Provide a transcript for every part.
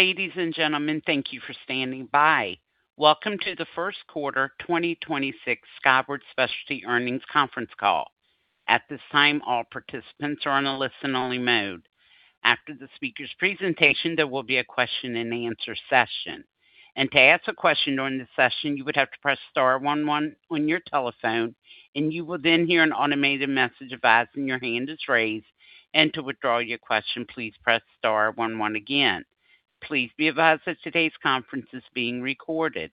Ladies and gentlemen, thank you for standing by. Welcome to the first quarter 2026 Skyward Specialty Earnings Conference Call. At this time, all participants are in a listen only mode. After the speaker's presentation, there will be a question-and-answer session. And to ask a question during the session, you would've to press star one one on your telephone and you will then hear an automated message advising your hand is raised. And to withdraw your question, please press star one one again. Please be advised that today's conference is being recorded.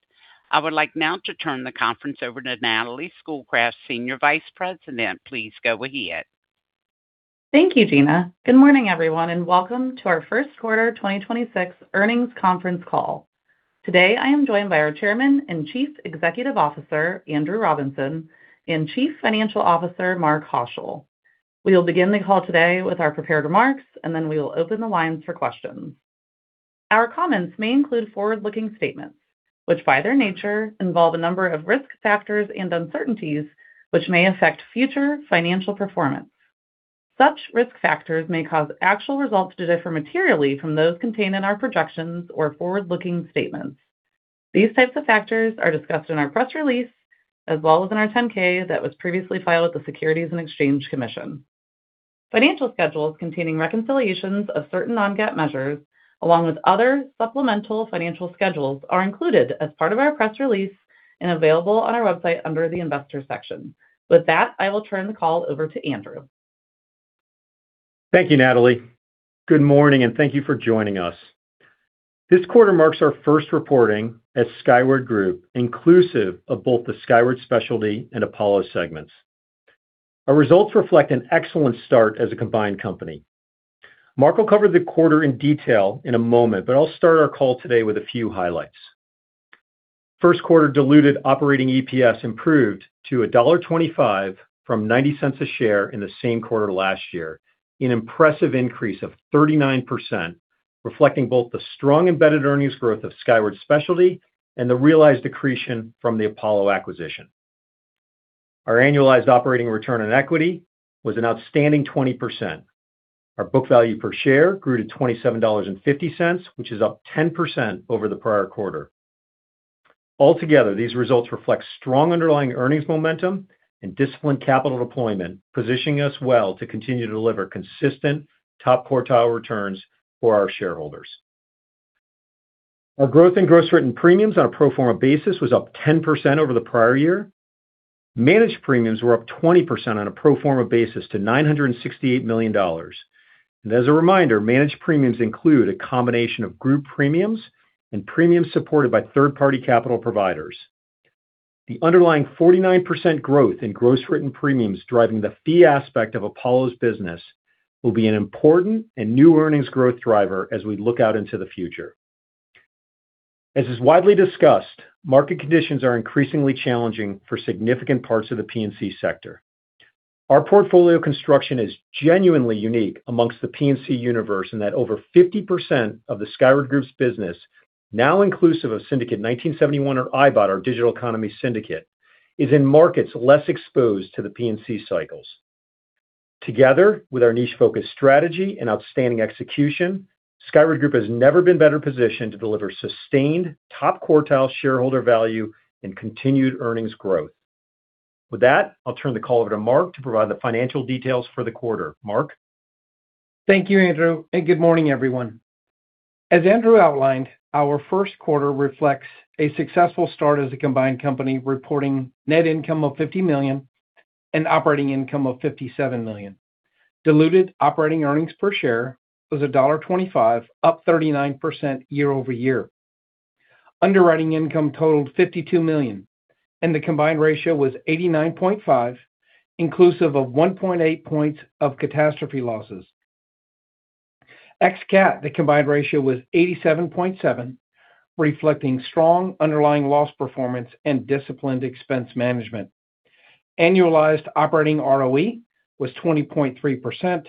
I would like now to turn the conference over to Natalie Schoolcraft, Senior Vice President. Please go ahead. Thank you, Gina. Good morning, everyone, and welcome to our first quarter 2026 earnings conference call. Today, I am joined by our Chairman and Chief Executive Officer, Andrew Robinson, and Chief Financial Officer, Mark Haushill. We will begin the call today with our prepared remarks, and then we will open the lines for questions. Our comments may include forward-looking statements, which by their nature involve a number of Risk Factors and uncertainties which may affect future financial performance. Such risk factors may cause actual results to differ materially from those contained in our projections or forward-looking statements. These types of factors are discussed in our press release as well as in our 10-K that was previously filed with the Securities and Exchange Commission. Financial schedules containing reconciliations of certain non-GAAP measures, along with other supplemental financial schedules, are included as part of our press release and available on our website under the Investor section. With that, I will turn the call over to Andrew. Thank you, Natalie. Good morning, and thank you for joining us. This quarter marks our first reporting at Skyward Group, inclusive of both the Skyward Specialty and Apollo segments. Our results reflect an excellent start as a combined company. Mark Haushill will cover the quarter in detail in a moment, but I'll start our call today with a few highlights. 1st quarter diluted operating EPS improved to $1.25 from $0.90 a share in the same quarter last year, an impressive increase of 39%, reflecting both the strong embedded earnings growth of Skyward Specialty and the realized accretion from the Apollo acquisition. Our annualized operating ROE was an outstanding 20%. Our book value per share grew to $27.50, which is up 10% over the prior quarter. Altogether, these results reflect strong underlying earnings momentum and disciplined capital deployment, positioning us well to continue to deliver consistent top quartile returns for our shareholders. Our growth in gross written premiums on a pro forma basis was up 10% over the prior year. Managed premiums were up 20% on a pro forma basis to $968 million. As a reminder, managed premiums include a combination of group premiums and premiums supported by third-party capital providers. The underlying 49% growth in gross written premiums driving the fee aspect of Apollo's business will be an important and new earnings growth driver as we look out into the future. As is widely discussed, market conditions are increasingly challenging for significant parts of the P&C sector. Our portfolio construction is genuinely unique amongst the P&C universe in that over 50% of the Skyward Group's business, now inclusive of Syndicate 1971 or ibott, our digital economy syndicate, is in markets less exposed to the P&C cycles. Together with our niche focus strategy and outstanding execution, Skyward Group has never been better positioned to deliver sustained top quartile shareholder value and continued earnings growth. With that, I'll turn the call over to Mark to provide the financial details for the quarter. Mark? Thank you, Andrew, and good morning, everyone. As Andrew outlined, our first quarter reflects a successful start as a combined company reporting net income of $50 million and operating income of $57 million. Diluted operating earnings per share was $1.25, up 39% year-over-year. Underwriting income totaled $52 million, and the combined ratio was 89.5, inclusive of 1.8 points of catastrophe losses. Ex Cat, the combined ratio was 87.7, reflecting strong underlying loss performance and disciplined expense management. Annualized operating ROE was 20.3%,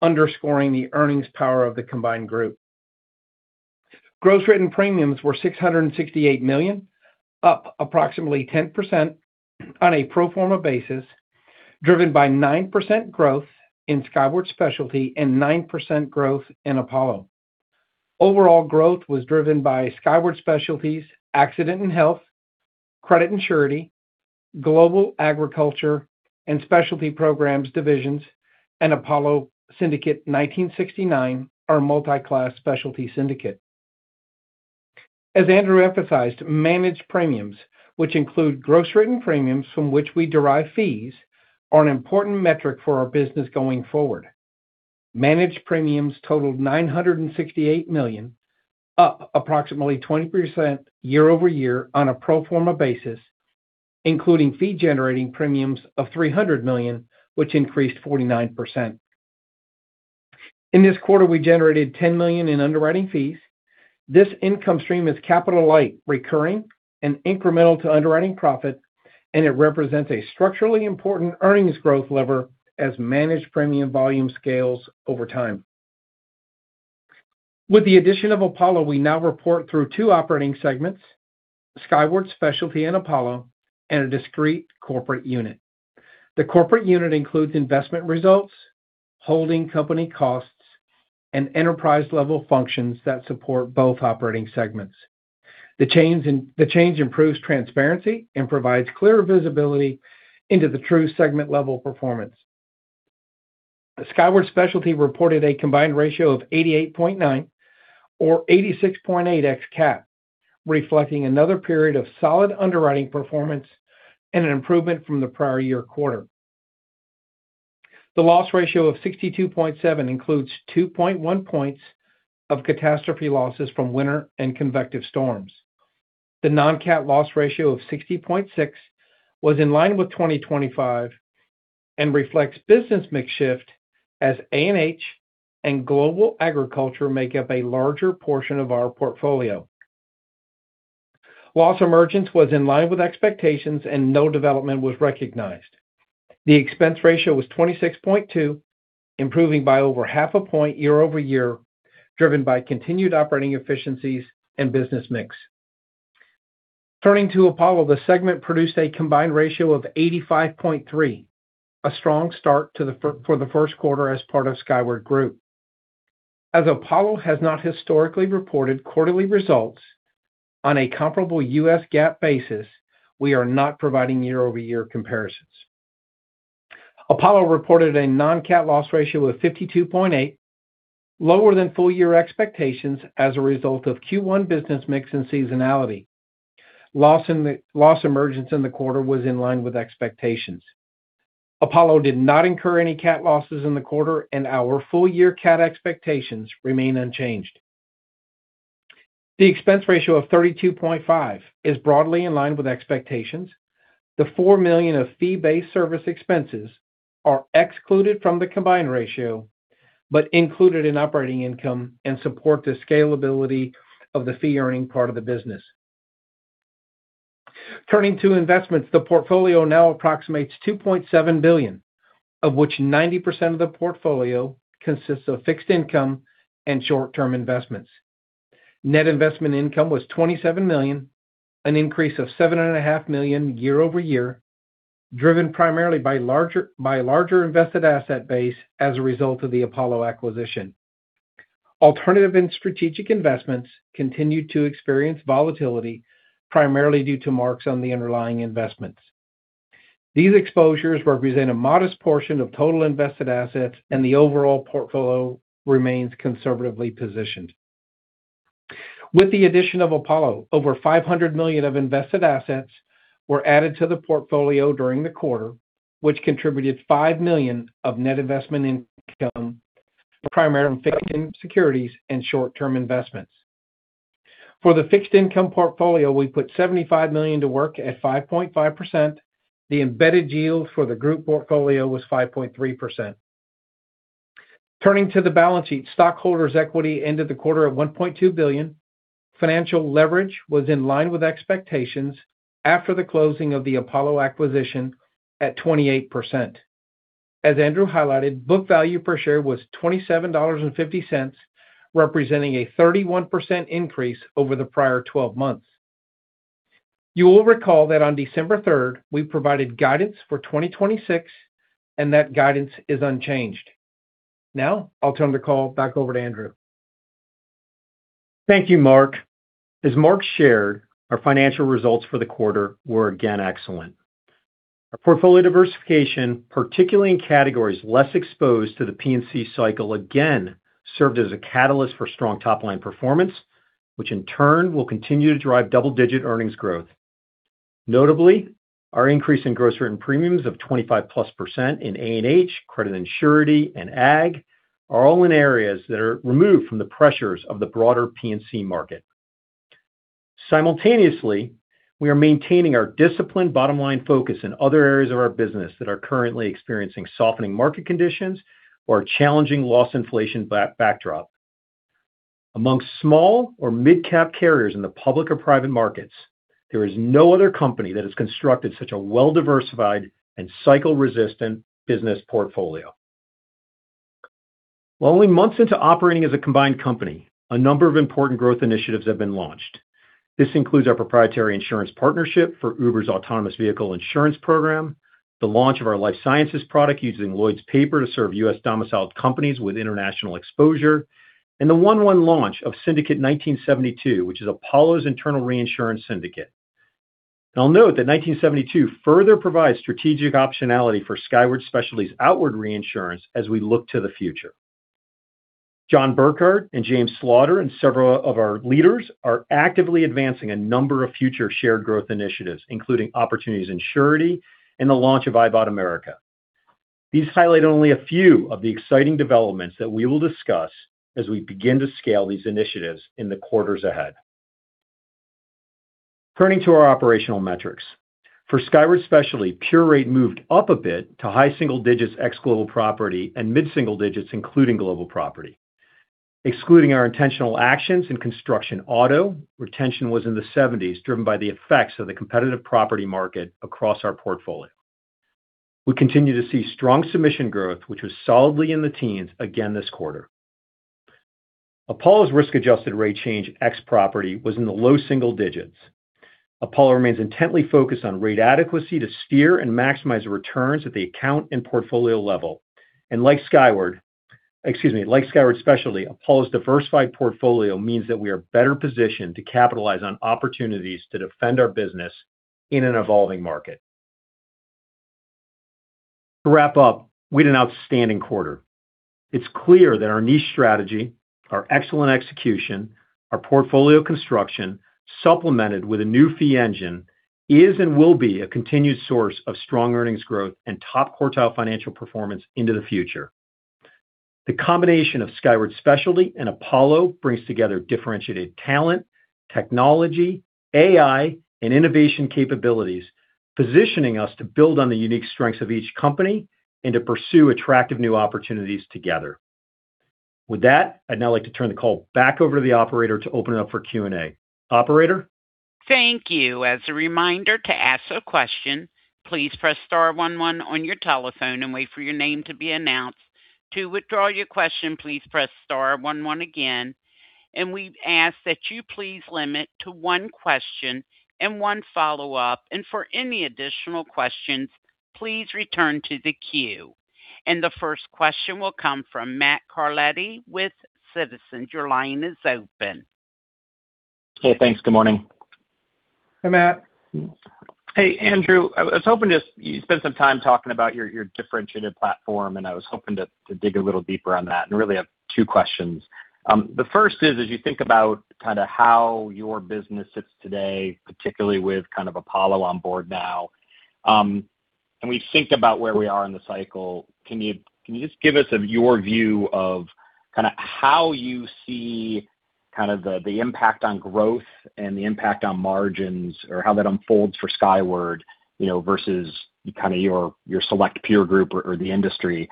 underscoring the earnings power of the combined group. Gross written premiums were $668 million, up approximately 10% on a pro forma basis, driven by 9% growth in Skyward Specialty and 9% growth in Apollo. Overall growth was driven by Skyward Specialty's Accident & Health, Credit and Surety, Global Property and Specialty Programs Divisions, and Apollo Syndicate 1969, our multi-class specialty syndicate. As Andrew emphasized, managed premiums, which include gross written premiums from which we derive fees, are an important metric for our business going forward. Managed premiums totaled $968 million, up approximately 20% year-over-year on a pro forma basis, including fee-generating premiums of $300 million, which increased 49%. In this quarter, we generated $10 million in underwriting fees. This income stream is capital-light, recurring, and incremental to underwriting profit, and it represents a structurally important earnings growth lever as managed premium volume scales over time. With the addition of Apollo, we now report through two operating segments, Skyward Specialty and Apollo, and a Discrete Corporate Unit. The Corporate Unit includes investment results, holding company costs, and enterprise-level functions that support both operating segments. The change improves transparency and provides clear visibility into the true segment-level performance. Skyward Specialty reported a combined ratio of 88.9 or 86.8 Ex-Cat, reflecting another period of solid underwriting performance and an improvement from the prior year quarter. The loss ratio of 62.7 includes 2.1 points of catastrophe losses from winter and convective storms. The non-CAT loss ratio of 60.6 was in line with 2025 and reflects business mix shift as A&H and Global Property make up a larger portion of our portfolio. Loss emergence was in line with expectations, and no development was recognized. The expense ratio was 26.2, improving by over 0.5 Point year-over-year, driven by continued operating efficiencies and business mix. Turning to Apollo, the segment produced a combined ratio of 85.3, a strong start for the first quarter as part of Skyward Group. As Apollo has not historically reported quarterly results on a comparable U.S. GAAP basis, we are not providing year-over-year comparisons. Apollo reported a non-CAT loss ratio of 52.8, lower than full year expectations as a result of Q1 business mix and seasonality. Loss emergence in the quarter was in line with expectations. Apollo did not incur any CAT losses in the quarter, and our full-year CAT expectations remain unchanged. The expense ratio of 32.5 is broadly in line with expectations. The $4 million of fee-based service expenses are excluded from the combined ratio but included in operating income and support the scalability of the fee-earning part of the business. Turning to investments, the portfolio now approximates $2.7 billion, of which 90% of the portfolio consists of fixed income and short-term investments. Net investment income was $27 million, an increase of $7.5 million year-over-year, driven primarily by larger invested asset base as a result of the Apollo acquisition. Alternative and strategic investments continued to experience volatility, primarily due to marks on the underlying investments. These exposures represent a modest portion of total invested assets, and the overall portfolio remains conservatively positioned. With the addition of Apollo, over $500 million of invested assets were added to the portfolio during the quarter, which contributed $5 million of net investment income, primarily in fixed income securities and short-term investments. For the fixed income portfolio, we put $75 million to work at 5.5%. The embedded yield for the group portfolio was 5.3%. Turning to the balance sheet, stockholders' equity ended the quarter at $1.2 billion. Financial leverage was in line with expectations after the closing of the Apollo acquisition at 28%. As Andrew highlighted, book value per share was $27.50, representing a 31% increase over the prior 12 months. You will recall that on December 3rd, we provided guidance for 2026. That guidance is unchanged. Now I'll turn the call back over to Andrew. Thank you, Mark. As Mark shared, our financial results for the quarter were again excellent. Our portfolio diversification, particularly in categories less exposed to the P&C cycle, again served as a catalyst for strong top-line performance, which in turn will continue to drive double-digit earnings growth. Notably, our increase in gross written premiums of 25%+ in A&H, Credit and Surety, and Ag are all in areas that are removed from the pressures of the broader P&C market. Simultaneously, we are maintaining our disciplined bottom-line focus in other areas of our business that are currently experiencing softening market conditions or a challenging loss inflation backdrop. Among small or midcap carriers in the public or private markets, there is no other company that has constructed such a well-diversified and cycle-resistant business portfolio. While only months into operating as a combined company, a number of important growth initiatives have been launched. This includes our proprietary insurance partnership for Uber's autonomous vehicle insurance program, the launch of our life sciences product using Lloyd's paper to serve U.S.-domiciled companies with international exposure, and the 1-1 launch of Syndicate 1972, which is Apollo's internal reinsurance syndicate. I'll note that 1972 further provides strategic optionality for Skyward Specialty's outward reinsurance as we look to the future. John Burkart and James Slaughter and several of our leaders are actively advancing a number of future shared growth initiatives, including opportunities in Surety and the launch of ibott America. These highlight only a few of the exciting developments that we will discuss as we begin to scale these initiatives in the quarters ahead. Turning to our operational metrics. For Skyward Specialty, pure rate moved up a bit to high single digits ex Global Property and mid-single digits including Global Property. Excluding our intentional actions in construction auto, retention was in the 70s, driven by the effects of the competitive property market across our portfolio. We continue to see strong submission growth, which was solidly in the 10s again this quarter. Apollo's risk-adjusted rate change ex property was in the low single-digits. Apollo remains intently focused on rate adequacy to steer and maximize returns at the account and portfolio level. Like Skyward Specialty, Apollo's diversified portfolio means that we are better positioned to capitalize on opportunities to defend our business in an evolving market. To wrap up, we had an outstanding quarter. It's clear that our niche strategy, our excellent execution, our portfolio construction, supplemented with a new fee engine, is and will be a continued source of strong earnings growth and top-quartile financial performance into the future. The combination of Skyward Specialty and Apollo brings together differentiated talent, technology, AI, and innovation capabilities, positioning us to build on the unique strengths of each company and to pursue attractive new opportunities together. With that, I'd now like to turn the call back over to the Operator to open it up for Q&A. Operator? Thank you. As a reminder, to ask a question, please press star one one on your telephone and wait for your name to be announced. To withdraw your question, please press star one one again. We ask that you please limit to one question and one follow-up. For any additional questions, please return to the queue. The first question will come from Matt Carletti with Citizens. Your line is open. Hey, thanks. Good morning. Hi, Matt. Hey, Andrew. I was hoping you spent some time talking about your differentiated platform, and I was hoping to dig a little deeper on that, and really have two questions. The first is, as you think about kinda how your business sits today, particularly with kind of Apollo on board now, and we think about where we are in the cycle, can you just give us of your view of kinda how you see kind of the impact on growth and the impact on margins, or how that unfolds for Skyward, you know, versus kind of your select peer group or the industry?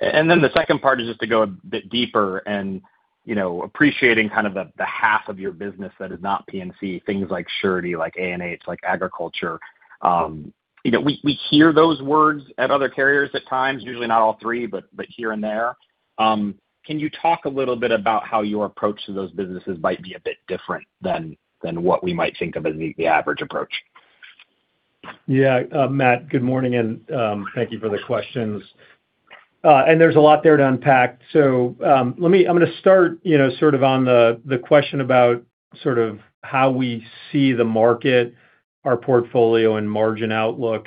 Then the second part is just to go a bit deeper and, you know, appreciating kind of the half of your business that is not P&C, things like surety, like A&H, like agriculture. You know, we hear those words at other carriers at times, usually not all three, but here and there. Can you talk a little bit about how your approach to those businesses might be a bit different than what we might think of as the average approach? Yeah. Matt, good morning, thank you for the questions. There's a lot there to unpack. I'm gonna start, you know, sort of on the question about sort of how we see the market, our portfolio and margin outlook.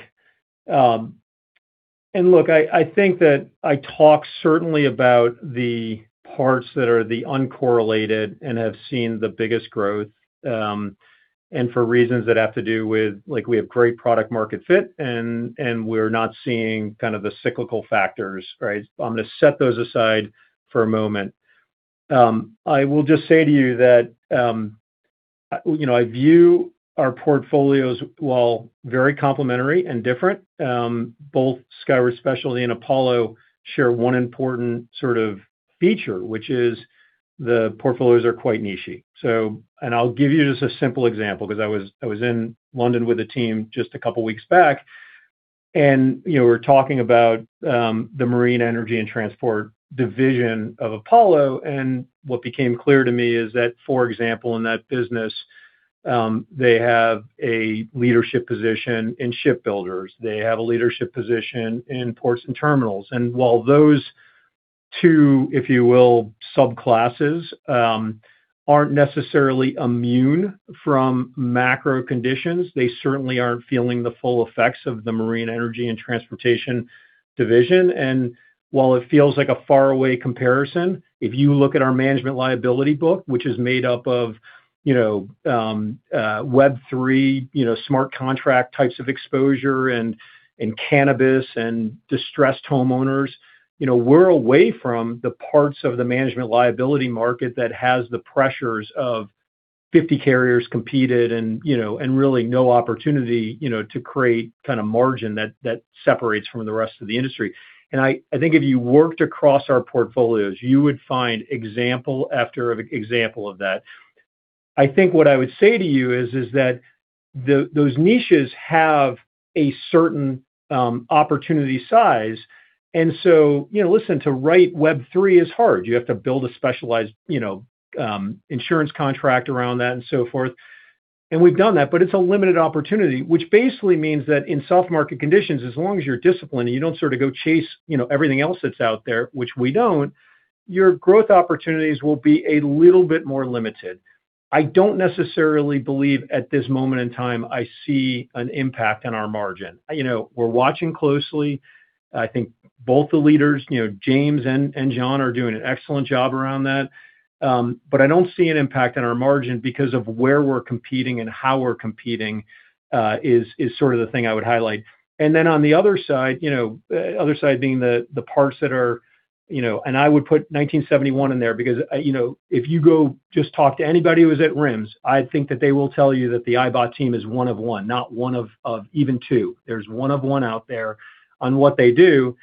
Look, I think that I talk certainly about the parts that are the uncorrelated and have seen the biggest growth, and for reasons that have to do with, like, we have great product market fit, and we're not seeing kind of the cyclical factors, right? I'm gonna set those aside for a moment. I will just say to you that, you know, I view our portfolios, while very complementary and different, both Skyward Specialty and Apollo share one important sort of feature, which is the portfolios are quite niche-y. I'll give you just a simple example, 'cause I was in London with a team just a couple weeks back, you know, we're talking about the Marine Energy & Transport Division of Apollo. What became clear to me is that, for example, in that business, they have a leadership position in shipbuilders. They have a leadership position in ports and terminals. While those two, if you will, subclasses, aren't necessarily immune from macro conditions, they certainly aren't feeling the full effects of the Marine Energy & Transportation Division. While it feels like a faraway comparison, if you look at our management liability book, which is made up of, you know, Web3, you know, smart contract types of exposure and cannabis and distressed homeowners, you know, we're away from the parts of the management liability market that has the pressures of 50 carriers competed and, you know, and really no opportunity, you know, to create kinda margin that separates from the rest of the industry. I think if you worked across our portfolios, you would find example after example of that. I think what I would say to you is that the, those niches have a certain opportunity size. You know, listen, to write Web3 is hard. You have to build a specialized, you know, insurance contract around that and so forth. We've done that, but it's a limited opportunity, which basically means that in soft market conditions, as long as you're disciplined and you don't sort of go chase, you know, everything else that's out there, which we don't, your growth opportunities will be a little bit more limited. I don't necessarily believe at this moment in time I see an impact on our margin. You know, we're watching closely. I think both the leaders, you know, James and John are doing an excellent job around that. I don't see an impact on our margin because of where we're competing and how we're competing, sort of the thing I would highlight. On the other side, you know, I would put 1971 in there because, you know, if you go just talk to anybody who was at RIMS, I think that they will tell you that the ibott team is one of one, not one of even two. There's one of one out there on what they do.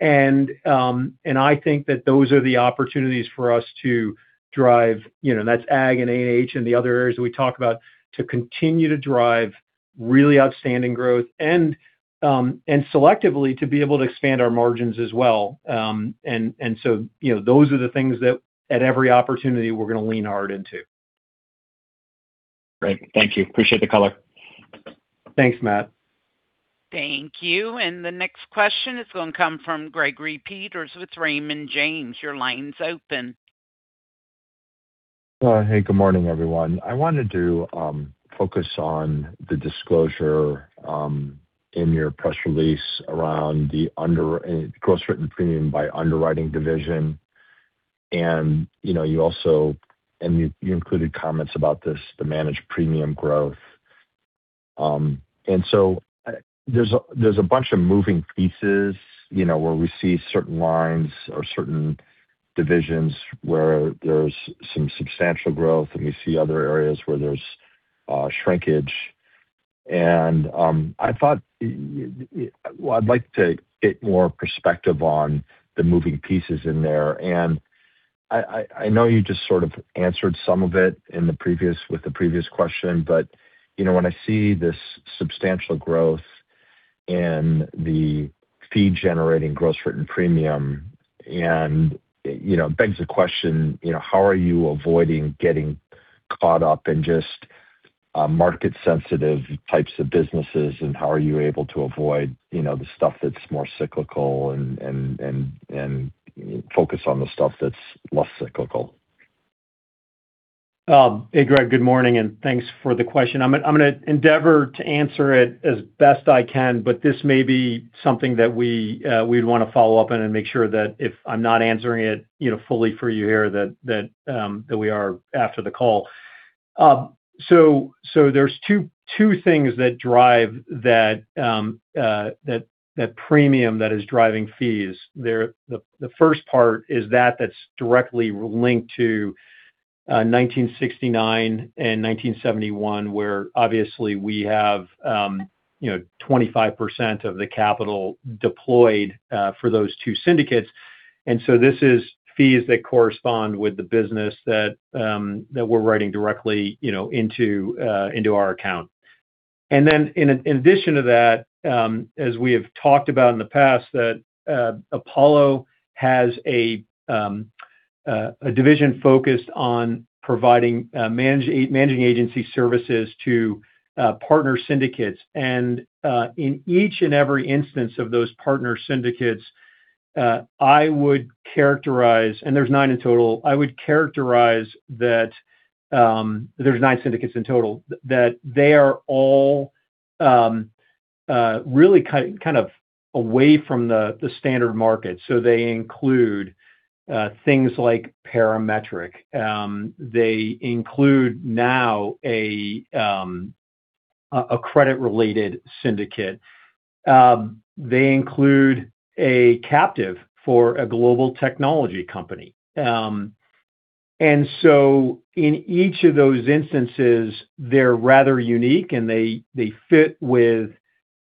I think that those are the opportunities for us to drive, you know, that's Ag and A&H and the other areas we talk about, to continue to drive really outstanding growth and selectively to be able to expand our margins as well. You know, those are the things that at every opportunity we're gonna lean hard into. Great. Thank you. Appreciate the color. Thanks, Matt. Thank you. The next question is gonna come from Gregory Peters with Raymond James. Your line's open. Hey, good morning, everyone. I wanted to focus on the disclosure in your press release around the gross written premium by underwriting division. You know, you included comments about this, the managed premium growth. There's a, there's a bunch of moving pieces, you know, where we see certain lines or certain divisions where there's some substantial growth, and we see other areas where there's shrinkage. Well, I'd like to get more perspective on the moving pieces in there. I know you just sort of answered some of it in the previous question, but, you know, when I see this substantial growth in the fee-generating gross written premium, and, you know, it begs the question, you know, how are you avoiding getting caught up in just market-sensitive types of businesses, and how are you able to avoid, you know, the stuff that's more cyclical and focus on the stuff that's less cyclical? Hey, Greg. Good morning, and thanks for the question. I'm gonna endeavor to answer it as best I can, but this may be something that we'd wanna follow up on and make sure that if I'm not answering it, you know, fully for you here, that we are after the call. There's two things that drive that premium that is driving fees. The first part is that that's directly linked to 1969 and 1971, where obviously we have, you know, 25% of the capital deployed for those two syndicates. This is fees that correspond with the business that we're writing directly, you know, into our account. In addition to that, as we have talked about in the past, that Apollo has a division focused on providing managing agency services to partner syndicates. In each and every instance of those partner syndicates, I would characterize, and there's nine in total. I would characterize that there's nine syndicates in total, that they are all really kind of away from the standard market. They include things like parametric. They include now a credit-related syndicate. They include a captive for a global technology company. In each of those instances, they're rather unique, and they fit with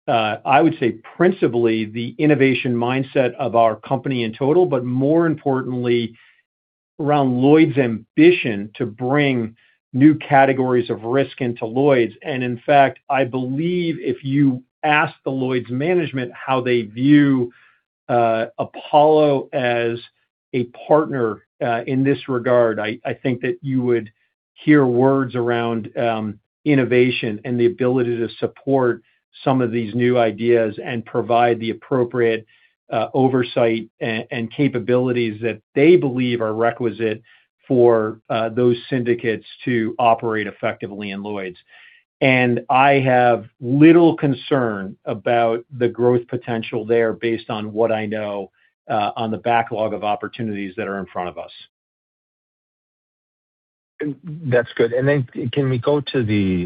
I would say principally the innovation mindset of our company in total, but more importantly, around Lloyd's ambition to bring new categories of risk into Lloyd's. In fact, I believe if you ask the Lloyd's management how they view Apollo as a partner in this regard, I think that you would hear words around innovation and the ability to support some of these new ideas and provide the appropriate oversight and capabilities that they believe are requisite for those syndicates to operate effectively in Lloyd's. I have little concern about the growth potential there based on what I know on the backlog of opportunities that are in front of us. That's good. Can we go to the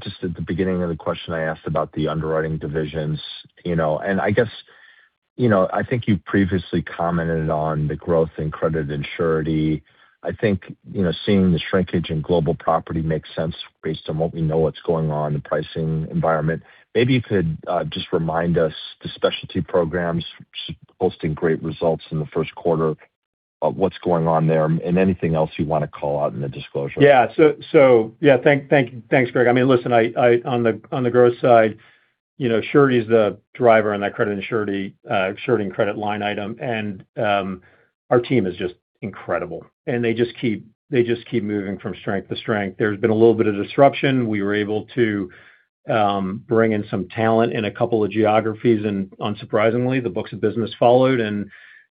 just at the beginning of the question I asked about the underwriting divisions, you know. I guess, you know, I think you previously commented on the growth in credit and surety. I think, you know, seeing the shrinkage in Global Property makes sense based on what we know what's going on in the pricing environment. Maybe you could just remind us the specialty programs posting great results in the first quarter of what's going on there and anything else you wanna call out in the disclosure. Yeah. Thanks, Greg. I mean, listen, on the growth side, you know, surety is the driver in that credit and surety and credit line item. Our team is just incredible, and they just keep moving from strength to strength. There's been a little bit of disruption. We were able to bring in some talent in a couple of geographies, unsurprisingly, the books of business followed.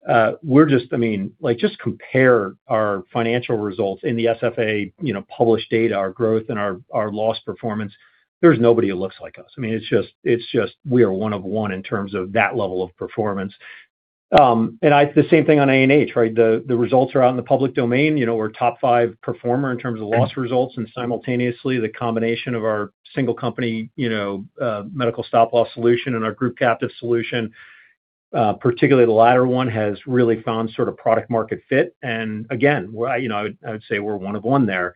I mean, like, just compare our financial results in the SFAA, you know, published data, our growth and our loss performance. There's nobody who looks like us. I mean, it's just we are one of one in terms of that level of performance. The same thing on A&H, right? The results are out in the public domain. You know, we're top five performer in terms of loss results. Simultaneously, the combination of our single company, you know, medical stop loss solution and our group captive solution, particularly the latter one, has really found sort of product market fit. Again, well, you know, I would say we're one of one there.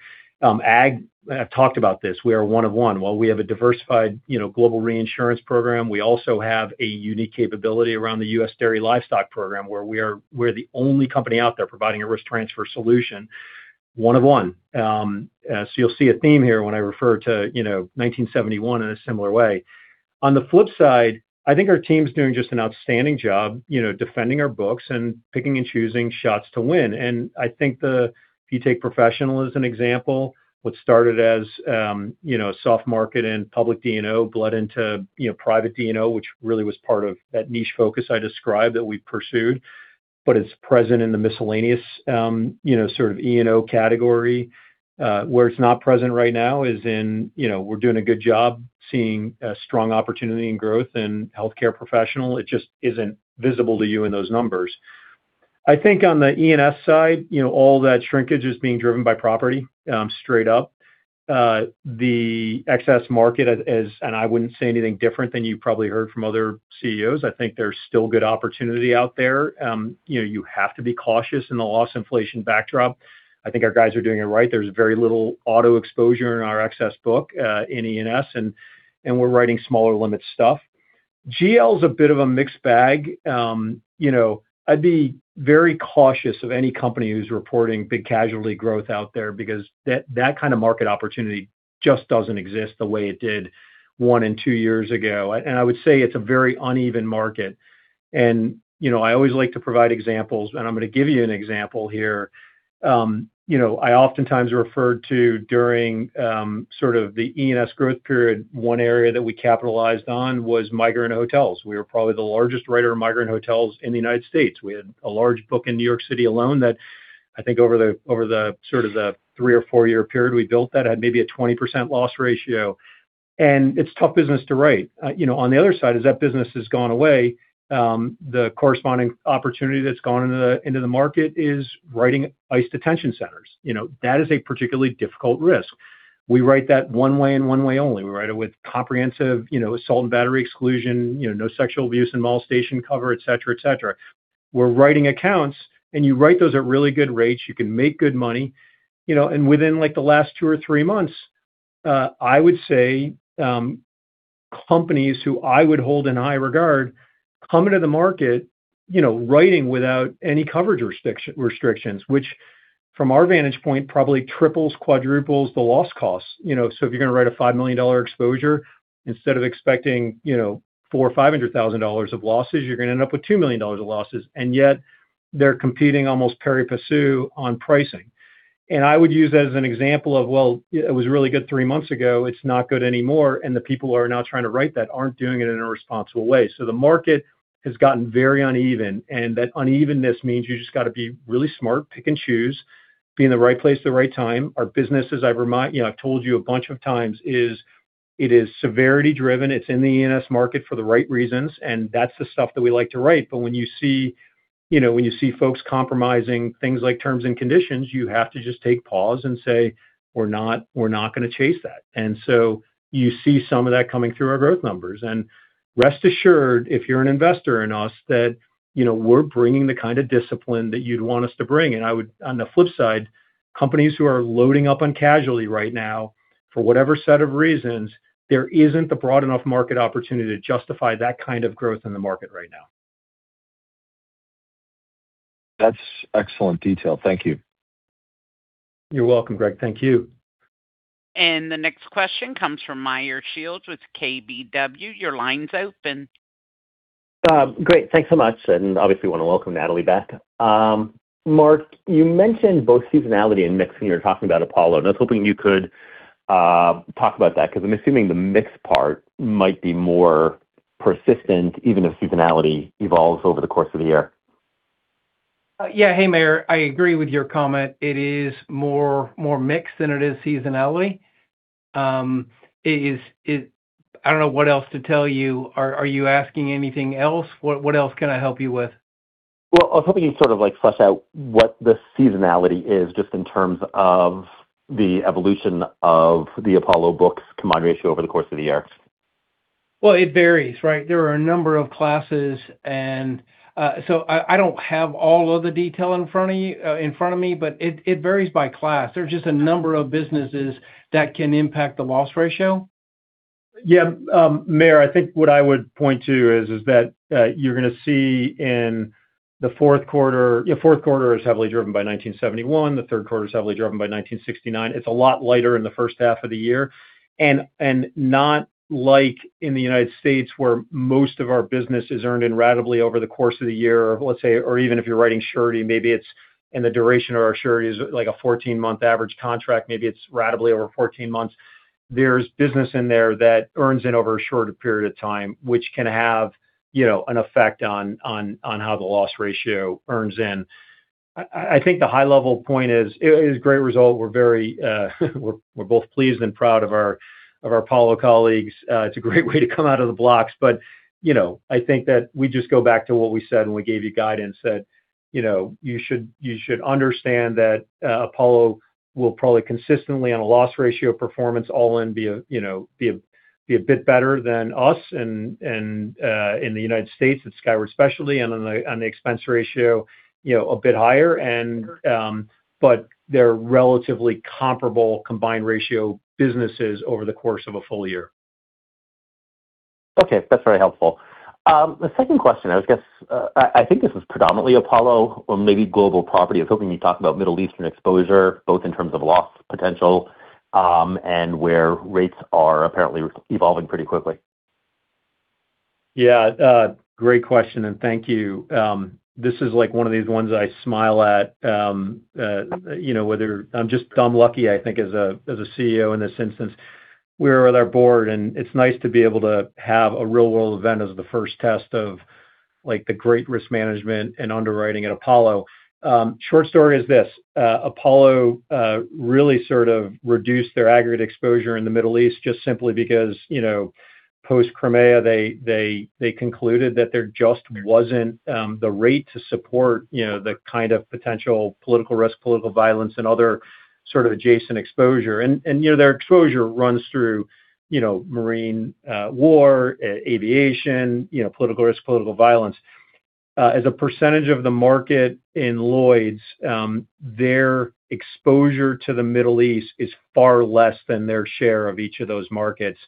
I've talked about this. We are one of one. While we have a diversified, you know, global reinsurance program, we also have a unique capability around the US dairy livestock program where we're the only company out there providing a risk transfer solution. One of one. You'll see a theme here when I refer to, you know, 1971 in a similar way. On the flip side, I think our team's doing just an outstanding job, you know, defending our books and picking and choosing shots to win. If you take professional as an example, what started as, you know, soft market and public D&O bled into, you know, private D&O, which really was part of that niche focus I described that we pursued. It's present in the miscellaneous, you know, sort of E&O category. Where it's not present right now is in, you know, we're doing a good job seeing a strong opportunity and growth in healthcare professional. It just isn't visible to you in those numbers. I think on the E&S side, you know, all that shrinkage is being driven by property, straight up. The excess market as I wouldn't say anything different than you probably heard from other CEOs. I think there's still good opportunity out there. You know, you have to be cautious in the loss inflation backdrop. I think our guys are doing it right. There's very little auto exposure in our excess book, in E&S, and we're writing smaller limit stuff. GL's a bit of a mixed bag. You know, I'd be very cautious of any company who's reporting big casualty growth out there because that kind of market opportunity just doesn't exist the way it did one and two years ago. I would say it's a very uneven market. You know, I always like to provide examples, and I'm gonna give you an example here. You know, I oftentimes referred to during sort of the E&S growth period, one area that we capitalized on was migrant hotels. We were probably the largest writer of migrant hotels in the United States. We had a large book in New York City alone that I think over the, over the sort of the three or four-year period we built that had maybe a 20% loss ratio. It's tough business to write. You know, on the other side is that business has gone away. The corresponding opportunity that's gone into the, into the market is writing ICE detention centers. You know, that is a particularly difficult risk. We write that one way and one way only. We write it with comprehensive, you know, assault and battery exclusion, you know, no sexual abuse and molestation cover, et cetera, et cetera. We're writing accounts. You write those at really good rates. You can make good money. You know, within like the last two or three months, I would say, companies who I would hold in high regard come into the market, you know, writing without any coverage restrictions, which from our vantage point probably triples, quadruples the loss costs. You know, if you're gonna write a $5 million exposure, instead of expecting, you know, $400,000 or $500,000 of losses, you're gonna end up with $2 million of losses. Yet they're competing almost pari passu on pricing. I would use that as an example of, well, it was really good three months ago, it's not good anymore, and the people who are now trying to write that aren't doing it in a responsible way. The market has gotten very uneven, and that unevenness means you just got to be really smart, pick and choose, be in the right place at the right time. Our business, as I remind you know, I've told you a bunch of times, is it is severity driven. It's in the E&S market for the right reasons, and that's the stuff that we like to write. When you see, you know, when you see folks compromising things like terms and conditions, you have to just take pause and say, We're not, we're not gonna chase that. You see some of that coming through our growth numbers. Rest assured, if you're an investor in us, that, you know, we're bringing the kind of discipline that you'd want us to bring. I would On the flip side, companies who are loading up on casualty right now, for whatever set of reasons, there isn't the broad enough market opportunity to justify that kind of growth in the market right now. That's excellent detail. Thank you. You're welcome, Greg. Thank you. The next question comes from Meyer Shields with KBW. Your line's open. Great. Thanks so much. Obviously want to welcome Natalie back. Mark, you mentioned both seasonality and mix when you were talking about Apollo, I was hoping you could talk about that, because I'm assuming the mix part might be more persistent, even if seasonality evolves over the course of the year. Yeah. Hey, Meyer. I agree with your comment. It is more mix than it is seasonality. I don't know what else to tell you. Are you asking anything else? What else can I help you with? Well, I was hoping you'd sort of like flesh out what the seasonality is just in terms of the evolution of the Apollo books combined ratio over the course of the year. Well, it varies, right? There are a number of classes and I don't have all of the detail in front of you, in front of me, but it varies by class. There's just a number of businesses that can impact the loss ratio. Yeah. Meyer, I think what I would point to is that you're gonna see in the fourth quarter. Yeah, fourth quarter is heavily driven by 1971. The third quarter is heavily driven by 1969. It's a lot lighter in the first half of the year. Not like in the United States where most of our business is earned in ratably over the course of the year, let's say, or even if you're writing surety, maybe it's in the duration of our surety is like a 14-month average contract. Maybe it's ratably over 14 months. There's business in there that earns in over a shorter period of time, which can have, you know, an effect on how the loss ratio earns in. I think the high-level point is it is great result. We're very, we're both pleased and proud of our Apollo colleagues. You know, I think that we just go back to what we said when we gave you guidance that, you know, you should understand that Apollo will probably consistently on a loss ratio performance all in be a bit better than us in the United States at Skyward Specialty and on the expense ratio, you know, a bit higher and they're relatively comparable combined ratio businesses over the course of a full-year. Okay. That's very helpful. The second question, I guess, I think this is predominantly Apollo or maybe Global Property. I was hoping you'd talk about Middle Eastern exposure, both in terms of loss potential, and where rates are apparently evolving pretty quickly. Yeah. Great question, and thank you. This is like one of these ones I smile at, you know, whether I'm just dumb lucky, I think, as a CEO in this instance. We were with our Board, it's nice to be able to have a real world event as the first test of like the great risk management and underwriting at Apollo. Short story is this. Apollo really sort of reduced their aggregate exposure in the Middle East just simply because, you know, post-Crimea, they concluded that there just wasn't the rate to support, you know, the kind of potential political risk, political violence and other sort of adjacent exposure. You know, their exposure runs through, you know, marine, war, aviation, you know, political risk, political violence. As a percentage of the market in Lloyd's, their exposure to the Middle East is far less than their share of each of those markets.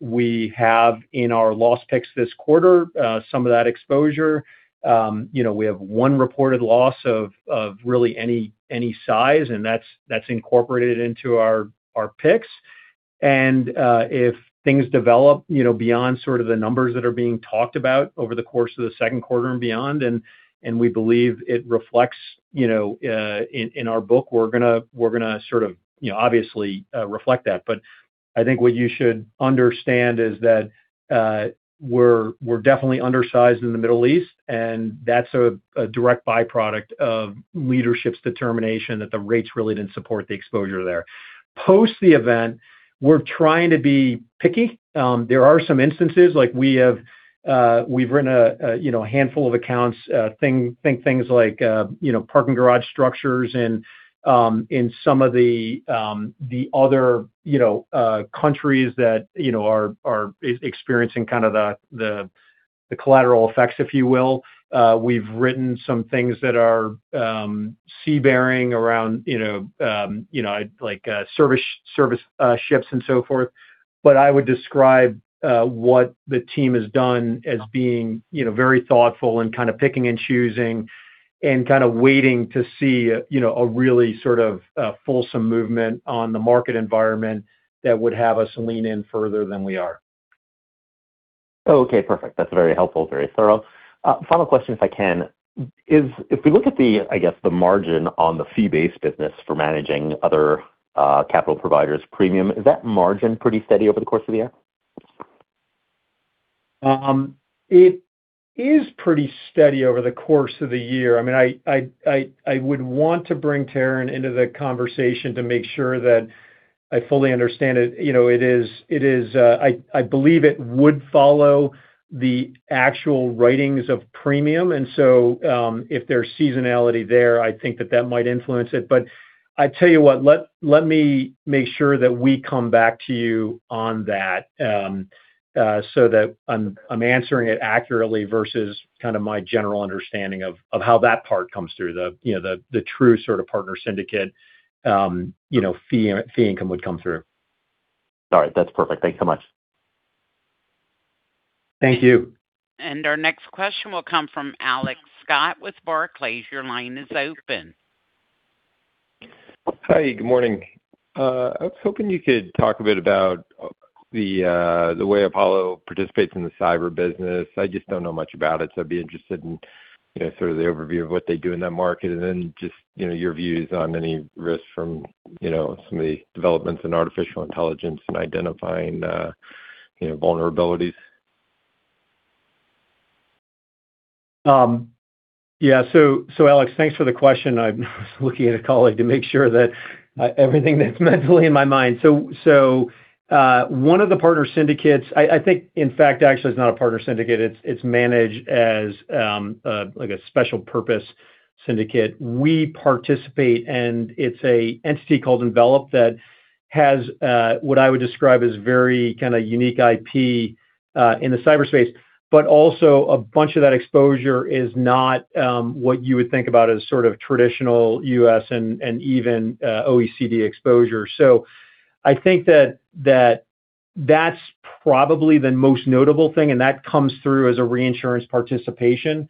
We have in our loss picks this quarter, some of that exposure. You know, we have one reported loss of really any size, and that's incorporated into our picks. If things develop, you know, beyond sort of the numbers that are being talked about over the course of the second quarter and beyond, and we believe it reflects, you know, in our book, we're gonna sort of, you know, obviously, reflect that. I think what you should understand is that we're definitely undersized in the Middle East, and that's a direct byproduct of leadership's determination that the rates really didn't support the exposure there. Post the event, we're trying to be picky. There are some instances like we have, we've written a, you know, handful of accounts, think things like, you know, parking garage structures and, in some of the other, you know, countries that, you know, are experiencing kind of the, the collateral effects, if you will. We've written some things that are sea-bearing around, you know, you know, like, service ships and so forth. I would describe what the team has done as being, you know, very thoughtful and kind of picking and choosing and kind of waiting to see, you know, a really sort of fulsome movement on the market environment that would have us lean in further than we are. Okay. Perfect. That's very helpful, very thorough. Final question, if I can, is if we look at the margin on the fee-based business for managing other capital providers premium, is that margin pretty steady over the course of the year? It is pretty steady over the course of the year. I mean, I would want to bring Taryn into the conversation to make sure that I fully understand it. You know, it is, I believe it would follow the actual writings of premium. If there's seasonality there, I think that that might influence it. I tell you what, let me make sure that we come back to you on that so that I'm answering it accurately versus kind of my general understanding of how that part comes through the, you know, the true sort of partner syndicate, you know, fee income would come through. All right. That's perfect. Thank you so much. Thank you. Our next question will come from Alex Scott with Barclays. Your line is open. Hi. Good morning. I was hoping you could talk a bit about the way Apollo participates in the cyber business. I just don't know much about it, so I'd be interested in, you know, sort of the overview of what they do in that market and then just, you know, your views on any risks from, you know, some of the developments in Artificial Intelligence and identifying, you know, vulnerabilities. Yeah. Alex, thanks for the question. I'm looking at a colleague to make sure that everything that's mentally in my mind. One of the partner syndicates I think in fact, actually it's not a partner syndicate. It's managed as like a special purpose syndicate. We participate, and it's a entity called Envelop that has what I would describe as very kind of unique IP in the cyberspace, but also a bunch of that exposure is not what you would think about as sort of traditional U.S. and even OECD exposure. I think that's probably the most notable thing, and that comes through as a reinsurance participation.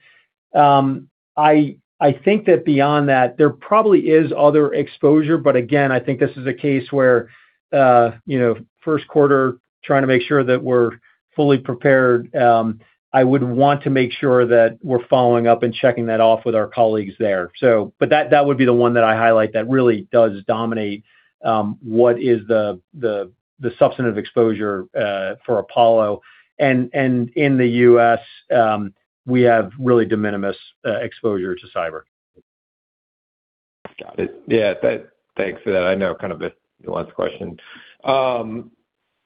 I think that beyond that, there probably is other exposure, but again, I think this is a case where, you know, first quarter trying to make sure that we're fully prepared. I would want to make sure that we're following up and checking that off with our colleagues there. That would be the one that I highlight that really does dominate, what is the substantive exposure for Apollo. In the U.S., we have really de minimis exposure to cyber. Got it. Yeah. Thanks for that. I know kind of a nuanced question. All